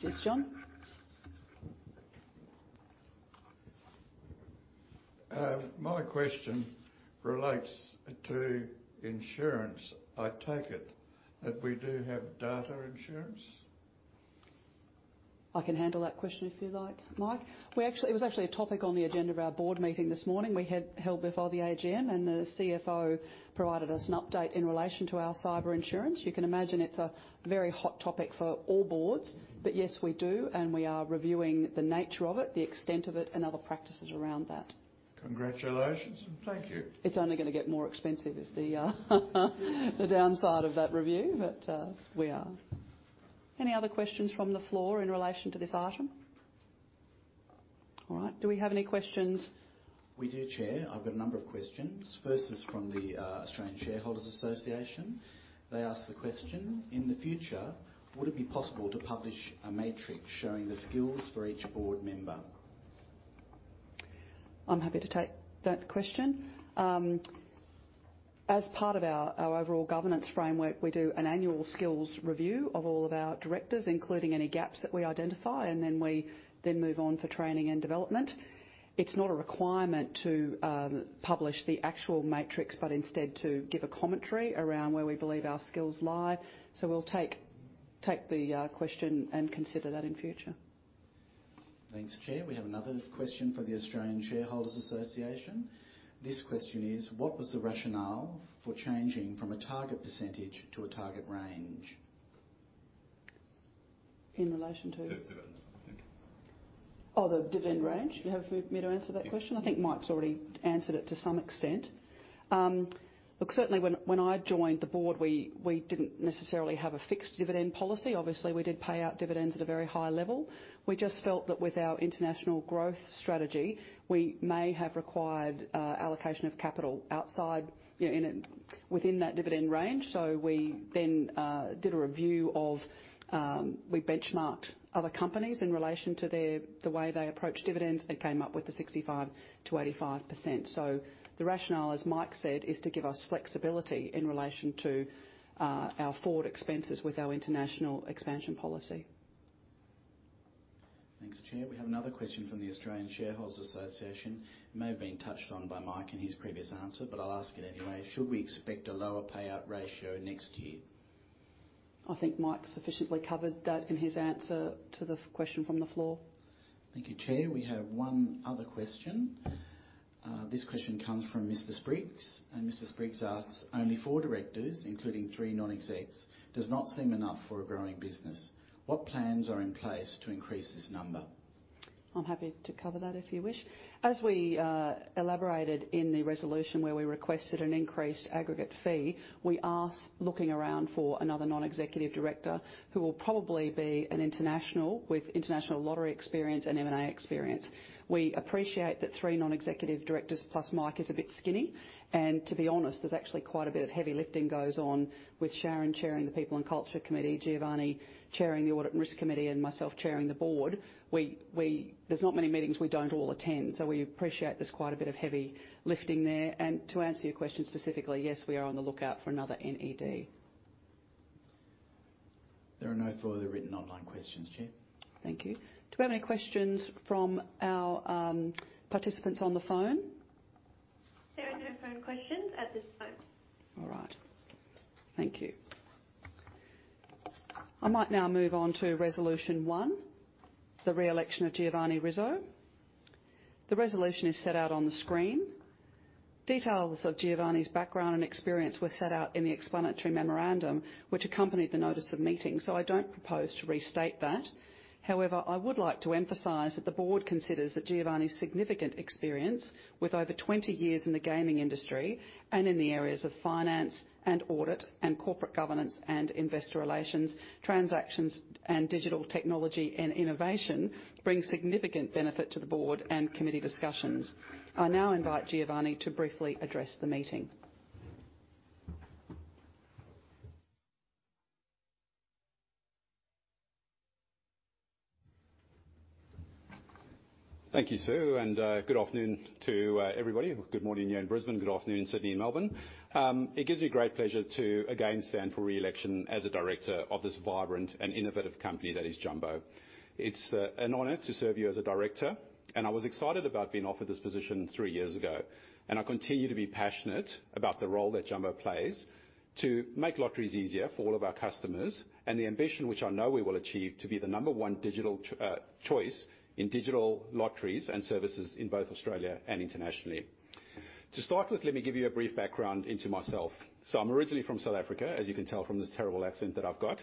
Yes, John. My question relates to insurance. I take it that we do have data insurance? I can handle that question if you like, Mike. It was actually a topic on the agenda of our board meeting this morning held before the AGM, and the CFO provided us an update in relation to our cyber insurance. You can imagine it's a very hot topic for all boards. Yes, we do, and we are reviewing the nature of it, the extent of it, and other practices around that. Congratulations and thank you. It's only gonna get more expensive, is the downside of that review. Any other questions from the floor in relation to this item? All right. Do we have any questions? We do, Chair. I've got a number of questions. First is from the Australian Shareholders' Association. They ask the question, "In the future, would it be possible to publish a matrix showing the skills for each board member? I'm happy to take that question. As part of our overall governance framework, we do an annual skills review of all of our directors, including any gaps that we identify, and then we move on for training and development. It's not a requirement to publish the actual matrix, but instead to give a commentary around where we believe our skills lie. We'll take the question and consider that in future. Thanks, Chair. We have another question from the Australian Shareholders' Association. This question is, "What was the rationale for changing from a target percentage to a target range? In relation to? The dividends, I think. Oh, the dividend range? You have me to answer that question? Yeah. I think Mike's already answered it to some extent. Look, certainly when I joined the board, we didn't necessarily have a fixed dividend policy. Obviously, we did pay out dividends at a very high level. We just felt that with our international growth strategy, we may have required allocation of capital outside, you know, within that dividend range. We then did a review of. We benchmarked other companies in relation to the way they approach dividends and came up with the 65%-85%. The rationale, as Mike said, is to give us flexibility in relation to our forward expenses with our international expansion policy. Thanks, Chair. We have another question from the Australian Shareholders' Association. May have been touched on by Mike in his previous answer, but I'll ask it anyway: "Should we expect a lower payout ratio next year? I think Mike sufficiently covered that in his answer to the question from the floor. Thank you, Chair. We have one other question. This question comes from Mr. Spriggs, and Mr. Spriggs asks, "Only four directors, including three non-execs, does not seem enough for a growing business. What plans are in place to increase this number? I'm happy to cover that if you wish. As we elaborated in the resolution where we requested an increased aggregate fee, we are looking around for another non-executive director who will probably be an international with international lottery experience and M&A experience. We appreciate that three non-executive directors plus Mike is a bit skinny, and to be honest, there's actually quite a bit of heavy lifting goes on with Sharon chairing the People and Culture Committee, Giovanni chairing the Audit and Risk Committee, and myself chairing the board. There's not many meetings we don't all attend, so we appreciate there's quite a bit of heavy lifting there. To answer your question specifically, yes, we are on the lookout for another NED. There are no further written online questions, Chair. Thank you. Do we have any questions from our participants on the phone? There are no phone questions at this time. All right. Thank you. I might now move on to resolution one, the re-election of Giovanni Rizzo. The resolution is set out on the screen. Details of Giovanni's background and experience were set out in the explanatory memorandum which accompanied the notice of meeting, so I don't propose to restate that. However, I would like to emphasize that the board considers that Giovanni's significant experience with over 20 years in the gaming industry and in the areas of finance and audit and corporate governance and investor relations, transactions and digital technology and innovation bring significant benefit to the board and committee discussions. I now invite Giovanni to briefly address the meeting. Thank you, Sue, and good afternoon to everybody. Good morning, you in Brisbane. Good afternoon, Sydney and Melbourne. It gives me great pleasure to again stand for re-election as a director of this vibrant and innovative company that is Jumbo. It's an honor to serve you as a director, and I was excited about being offered this position three years ago, and I continue to be passionate about the role that Jumbo plays to make lotteries easier for all of our customers and the ambition which I know we will achieve to be the number one digital choice in digital lotteries and services in both Australia and internationally. To start with, let me give you a brief background into myself. I'm originally from South Africa, as you can tell from this terrible accent that I've got.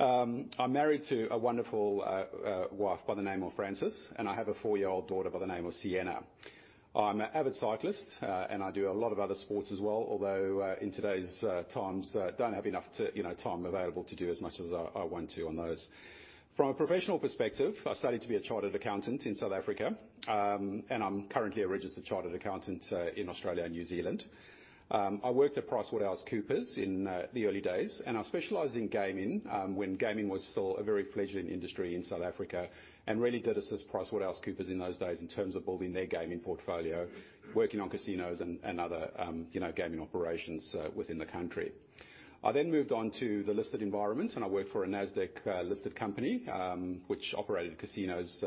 I'm married to a wonderful wife by the name of Francis, and I have a four-year-old daughter by the name of Sienna. I'm an avid cyclist, and I do a lot of other sports as well, although, in today's times, I don't have enough, you know, time available to do as much as I want to on those. From a professional perspective, I studied to be a chartered accountant in South Africa, and I'm currently a registered chartered accountant in Australia and New Zealand. I worked at PricewaterhouseCoopers in the early days and I specialized in gaming, when gaming was still a very fledgling industry in South Africa and really did assist PricewaterhouseCoopers in those days in terms of building their gaming portfolio. Working on casinos and other, you know, gaming operations within the country. I then moved on to the listed environment, and I worked for a Nasdaq listed company, which operated casinos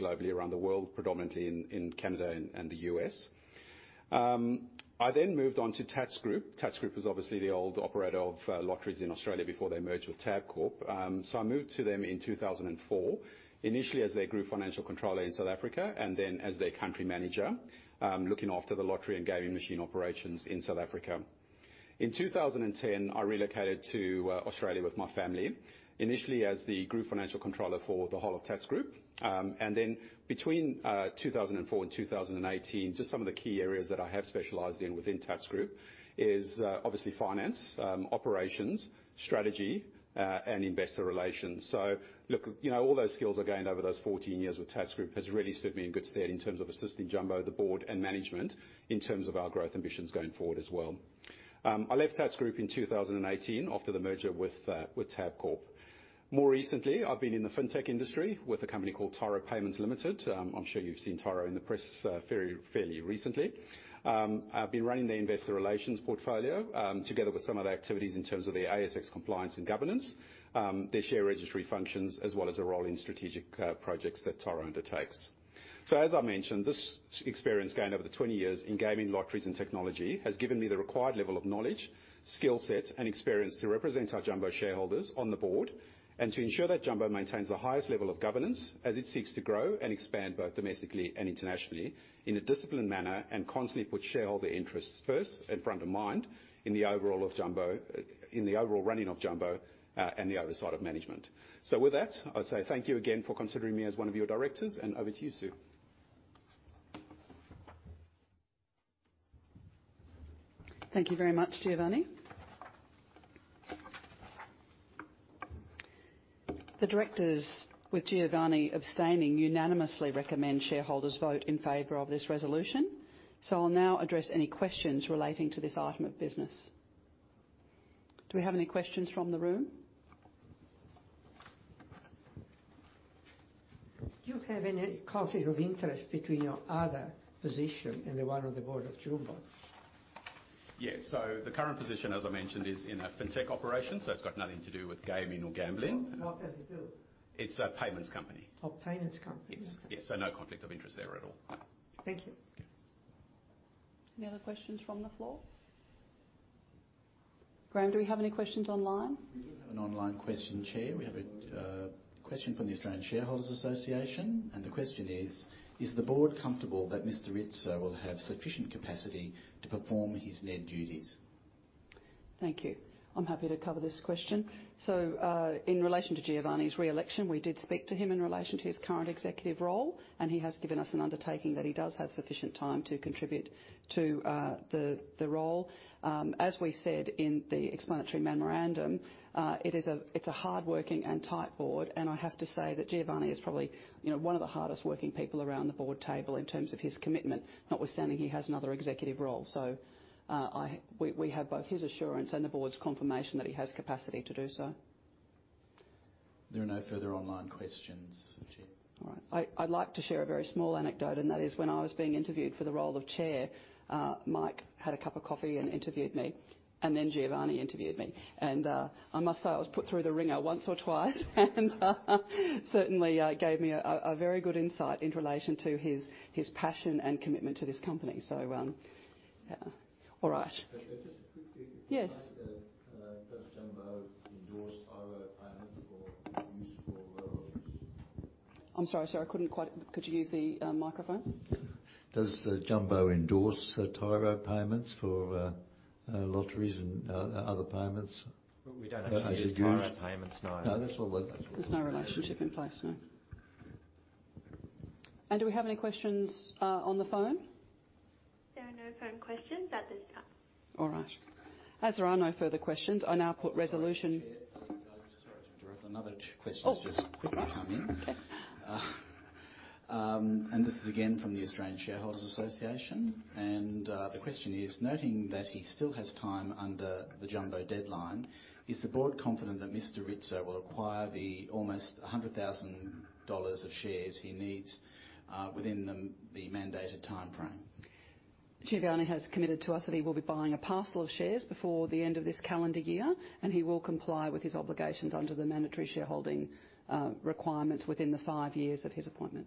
globally around the world, predominantly in Canada and the U.S. I then moved on to Tatts Group. Tatts Group was obviously the old operator of lotteries in Australia before they merged with Tabcorp. I moved to them in 2004, initially as their group financial controller in South Africa, and then as their country manager, looking after the lottery and gaming machine operations in South Africa. In 2010, I relocated to Australia with my family, initially as the group financial controller for the whole of Tatts Group. Between 2004 and 2018, just some of the key areas that I have specialized in within Tatts Group is obviously finance, operations, strategy, and investor relations. Look, you know, all those skills I gained over those 14 years with Tatts Group has really stood me in good stead in terms of assisting Jumbo, the board, and management in terms of our growth ambitions going forward as well. I left Tatts Group in 2018 after the merger with Tabcorp. More recently, I've been in the fintech industry with a company called Tyro Payments Limited. I'm sure you've seen Tyro in the press fairly recently. I've been running their investor relations portfolio, together with some of their activities in terms of their ASX compliance and governance, their share registry functions, as well as a role in strategic projects that Tyro undertakes. As I mentioned, this experience gained over the 20 years in gaming, lotteries, and technology has given me the required level of knowledge, skill set, and experience to represent our Jumbo shareholders on the board and to ensure that Jumbo maintains the highest level of governance as it seeks to grow and expand both domestically and internationally in a disciplined manner and constantly put shareholder interests first and front of mind in the overall running of Jumbo, and the oversight of management. With that, I say thank you again for considering me as one of your directors, and over to you, Sue. Thank you very much, Giovanni. The directors, with Giovanni abstaining, unanimously recommend shareholders vote in favor of this resolution. I'll now address any questions relating to this item of business. Do we have any questions from the room? Do you have any conflict of interest between your other position and the one on the board of Jumbo? The current position, as I mentioned, is in a fintech operation, so it's got nothing to do with gaming or gambling. What does it do? It's a payments company. Oh, payments company. Yes. Okay. Yes, no conflict of interest there at all. Thank you. Okay. Any other questions from the floor? Graham, do we have any questions online? We do have an online question, Chair. We have a question from the Australian Shareholders' Association, and the question is: Is the board comfortable that Mr. Rizzo will have sufficient capacity to perform his NED duties? Thank you. I'm happy to cover this question. In relation to Giovanni's re-election, we did speak to him in relation to his current executive role, and he has given us an undertaking that he does have sufficient time to contribute to the role. As we said in the explanatory memorandum, it is a hardworking and tight board, and I have to say that Giovanni is probably, you know, one of the hardest working people around the board table in terms of his commitment, notwithstanding he has another executive role. We have both his assurance and the board's confirmation that he has capacity to do so. There are no further online questions, Chair. All right. I'd like to share a very small anecdote, and that is when I was being interviewed for the role of chair, Mike Veverka had a cup of coffee and interviewed me, and then Giovanni Rizzo interviewed me. I must say I was put through the wringer once or twice and certainly gave me a very good insight in relation to his passion and commitment to this company. All right. Just a quickie. Yes. Does Jumbo endorse Tyro Payments for use for? I'm sorry, sir. Could you use the microphone? Does Jumbo endorse Tyro Payments for lotteries and other payments? We don't actually use Tyro Payments. No. No, that's all though, that's all. There's no relationship in place, no. Do we have any questions, on the phone? There are no phone questions at this time. All right. As there are no further questions, I now put resolution- Sorry, Chair. Sorry to interrupt. Another question has just quickly come in. Oh, okay. This is again from the Australian Shareholders' Association, and the question is: Noting that he still has time under the Jumbo deadline, is the board confident that Mr. Rizzo will acquire almost 100,000 dollars of shares he needs within the mandated timeframe? Giovanni has committed to us that he will be buying a parcel of shares before the end of this calendar year, and he will comply with his obligations under the mandatory shareholding requirements within the five years of his appointment.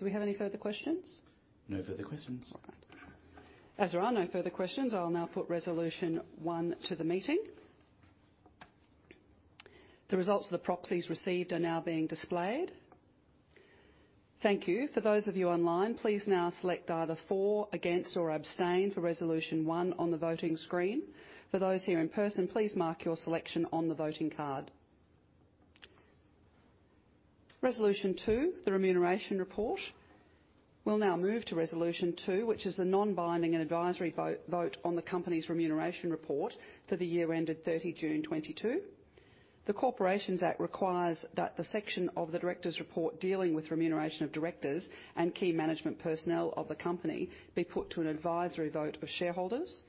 Do we have any further questions? No further questions. All right. As there are no further questions, I will now put resolution one to the meeting. The results of the proxies received are now being displayed. Thank you. For those of you online, please now select either for, against, or abstain for resolution one on the voting screen. For those here in person, please mark your selection on the voting card. Resolution two, the remuneration report. We'll now move to resolution two, which is the non-binding and advisory vote on the company's remuneration report for the year ended June 30, 2022. The Corporations Act requires that the section of the directors' report dealing with remuneration of directors and key management personnel of the company be put to an advisory vote of shareholders.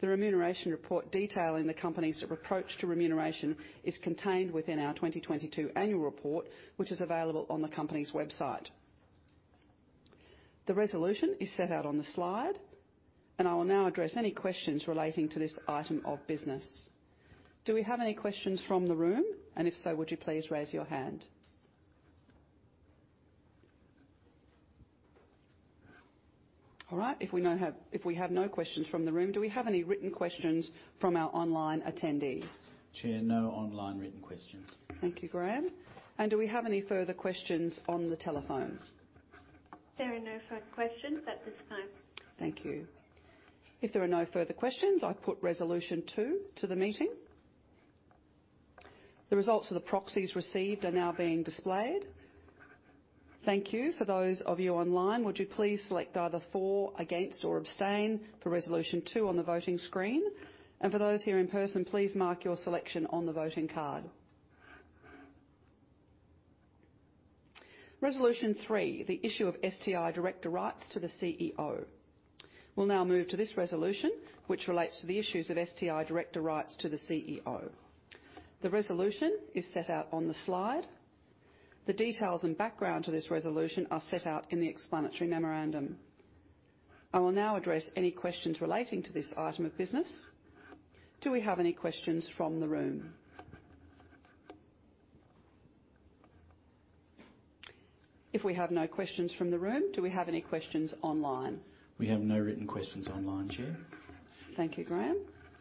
The remuneration report detailing the company's approach to remuneration is contained within our 2022 annual report, which is available on the company's website. The resolution is set out on the slide, and I will now address any questions relating to this item of business. Do we have any questions from the room? If so, would you please raise your hand? All right. If we have no questions from the room, do we have any written questions from our online attendees? Chair, no online written questions. Thank you, Graham. Do we have any further questions on the telephone? There are no further questions at this time. Thank you. If there are no further questions, I put resolution two to the meeting. The results of the proxies received are now being displayed. Thank you. For those of you online, would you please select either for, against, or abstain for resolution two on the voting screen. For those here in-person, please mark your selection on the voting card. Resolution three, the issue of STI director rights to the CEO. We'll now move to this resolution, which relates to the issues of STI director rights to the CEO. The resolution is set out on the slide. The details and background to this resolution are set out in the explanatory memorandum. I will now address any questions relating to this item of business. Do we have any questions from the room? If we have no questions from the room, do we have any questions online? We have no written questions online, Chair. Thank you, Graham.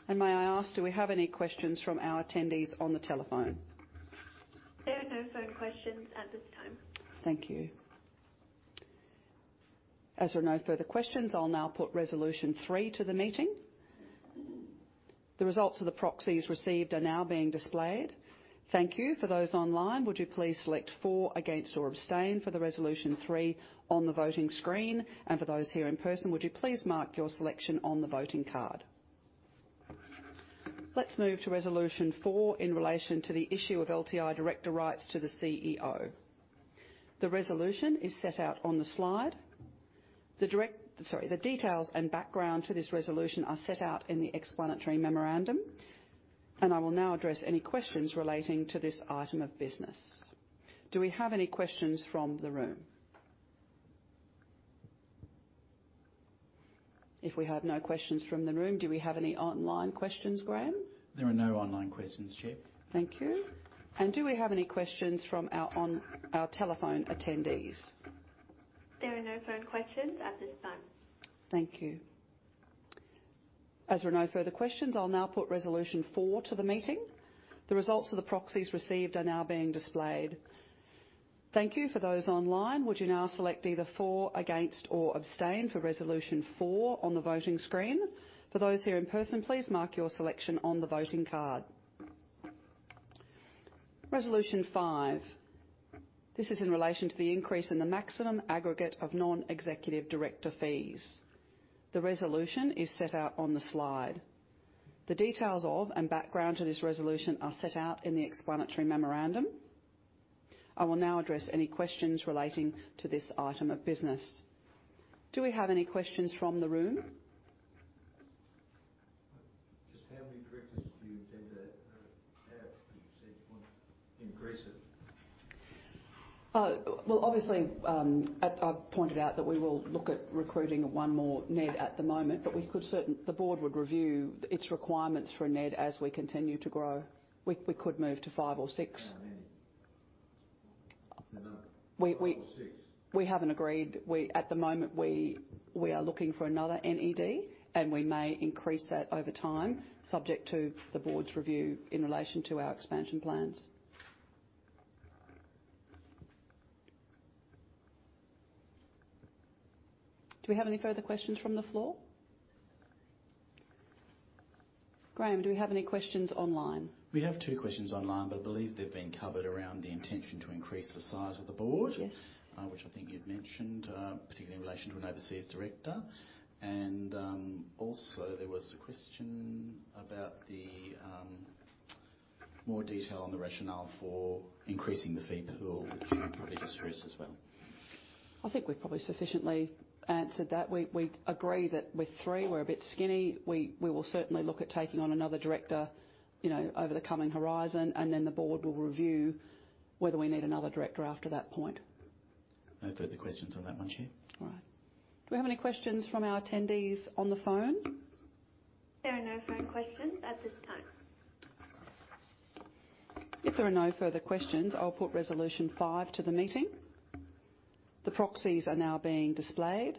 May I ask, do we have any questions from our attendees on the telephone? There are no phone questions at this time. Thank you. As there are no further questions, I'll now put resolution three to the meeting. The results of the proxies received are now being displayed. Thank you. For those online, would you please select for, against, or abstain for the resolution three on the voting screen? For those here in-person, would you please mark your selection on the voting card. Let's move to resolution four in relation to the issue of LTI director rights to the CEO. The resolution is set out on the slide. Sorry, the details and background to this resolution are set out in the explanatory memorandum, and I will now address any questions relating to this item of business. Do we have any questions from the room? If we have no questions from the room, do we have any online questions, Graham? There are no online questions, Chair. Thank you. Do we have any questions from our telephone attendees? There are no phone questions at this time. Thank you. As there are no further questions, I'll now put resolution four to the meeting. The results of the proxies received are now being displayed. Thank you. For those online, would you now select either for, against, or abstain for resolution four on the voting screen? For those here in-person, please mark your selection on the voting card. Resolution five. This is in relation to the increase in the maximum aggregate of non-executive director fees. The resolution is set out on the slide. The details of and background to this resolution are set out in the explanatory memorandum. I will now address any questions relating to this item of business. Do we have any questions from the room? Just how many directors do you intend to have since you want to increase it? Well, obviously, I've pointed out that we will look at recruiting one more NED at the moment, but the board would review its requirements for a NED as we continue to grow. We could move to five or six. How many? The number. Five or six. We haven't agreed. At the moment, we are looking for another NED, and we may increase that over time, subject to the board's review in relation to our expansion plans. Do we have any further questions from the floor? Graham, do we have any questions online? We have two questions online, but I believe they've been covered around the intention to increase the size of the board. Yes. Which I think you'd mentioned, particularly in relation to an overseas director. Also there was a question about the more detail on the rationale for increasing the fee pool, which you've already addressed as well. I think we've probably sufficiently answered that. We agree that with three we're a bit skinny. We will certainly look at taking on another director, you know, over the coming horizon, and then the board will review whether we need another director after that point. No further questions on that one, Chair. All right. Do we have any questions from our attendees on the phone? There are no phone questions at this time. If there are no further questions, I'll put resolution five to the meeting. The proxies are now being displayed.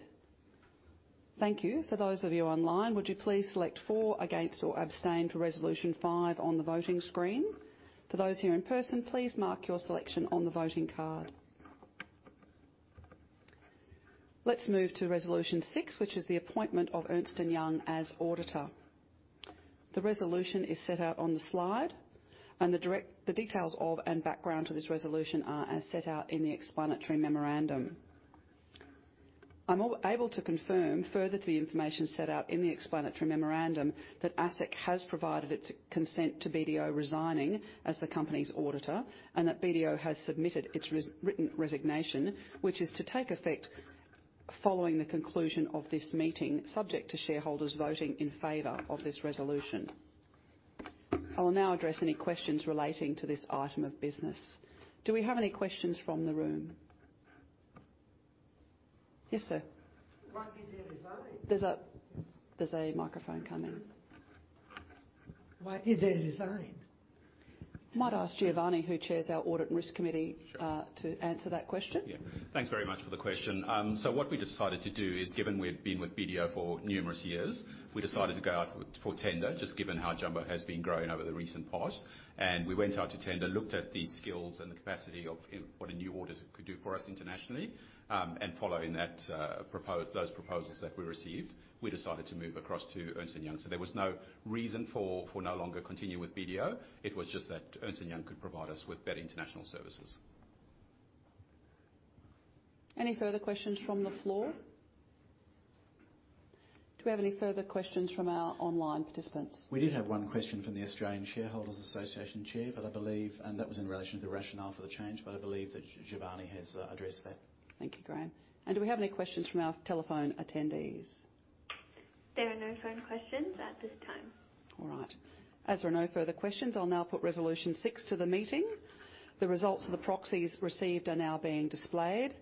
Thank you. For those of you online, would you please select for, against, or abstain for resolution five on the voting screen. For those here in-person, please mark your selection on the voting card. Let's move to resolution six, which is the appointment of Ernst & Young as auditor. The resolution is set out on the slide, and the details of and background to this resolution are as set out in the explanatory memorandum. I'm able to confirm further to the information set out in the explanatory memorandum that ASIC has provided its consent to BDO resigning as the company's auditor, and that BDO has submitted its resignation, which is to take effect following the conclusion of this meeting, subject to shareholders voting in favor of this resolution. I will now address any questions relating to this item of business. Do we have any questions from the room? Yes, sir. Why did you decide? There's a microphone coming. Why did you decide? Might I ask Giovanni, who chairs our Audit and Risk Committee, to answer that question. Yeah. Thanks very much for the question. What we decided to do is, given we've been with BDO for numerous years, we decided to go out with, for tender, just given how Jumbo has been growing over the recent past. We went out to tender, looked at the skills and the capacity of what a new auditor could do for us internationally. Following that, those proposals that we received, we decided to move across to Ernst & Young. There was no reason for no longer continue with BDO. It was just that Ernst & Young could provide us with better international services. Any further questions from the floor? Do we have any further questions from our online participants? We did have one question from the Australian Shareholders' Association chair, but I believe that Giovanni has addressed that. That was in relation to the rationale for the change, but I believe that Giovanni has addressed that. Thank you, Graham. Do we have any questions from our telephone attendees? There are no phone questions at this time. All right. As there are no further questions, I'll now put resolution six to the meeting. The results of the proxies received are now being displayed.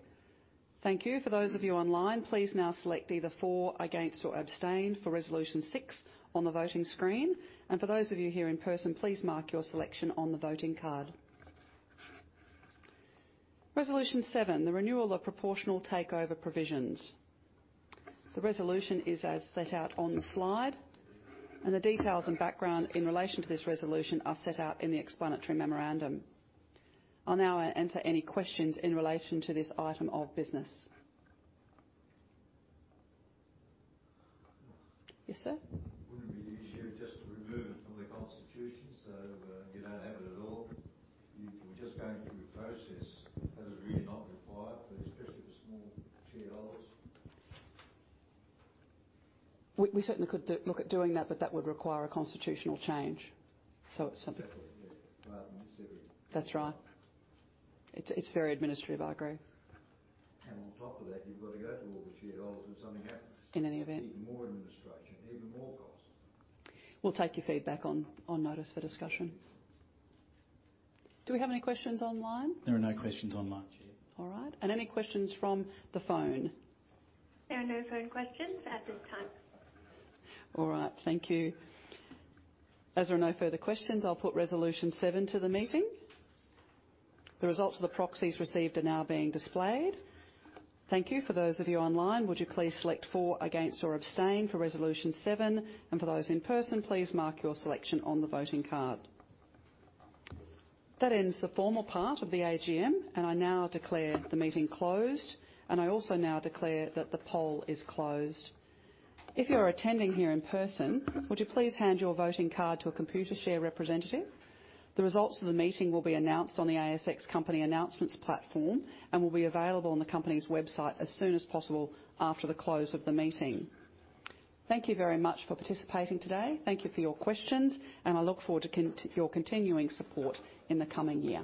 Thank you. For those of you online, please now select either for, against, or abstain for resolution six on the voting screen. For those of you here in person, please mark your selection on the voting card. Resolution seven, the renewal of proportional takeover provisions. The resolution is as set out on the slide, and the details and background in relation to this resolution are set out in the explanatory memorandum. I'll now entertain any questions in relation to this item of business. Yes, sir. Would it be easier just to remove it from the constitution so you don't have it at all? Just going through a process that is really not required, especially for small shareholders. We certainly could look at doing that, but that would require a constitutional change, so something. Exactly, yeah. Quite administrative. That's right. It's very administrative, I agree. On top of that, you've got to go to all the shareholders if something happens. In any event. Even more administration, even more cost. We'll take your feedback on notice for discussion. Do we have any questions online? There are no questions online, Chair. All right. Any questions from the phone? There are no phone questions at this time. All right. Thank you. As there are no further questions, I'll put resolution seven to the meeting. The results of the proxies received are now being displayed. Thank you. For those of you online, would you please select for, against, or abstain for resolution seven? For those in person, please mark your selection on the voting card. That ends the formal part of the AGM, and I now declare the meeting closed, and I also now declare that the poll is closed. If you are attending here in person, would you please hand your voting card to a Computershare representative. The results of the meeting will be announced on the ASX company announcements platform and will be available on the company's website as soon as possible after the close of the meeting. Thank you very much for participating today. Thank you for your questions, and I look forward to your continuing support in the coming year.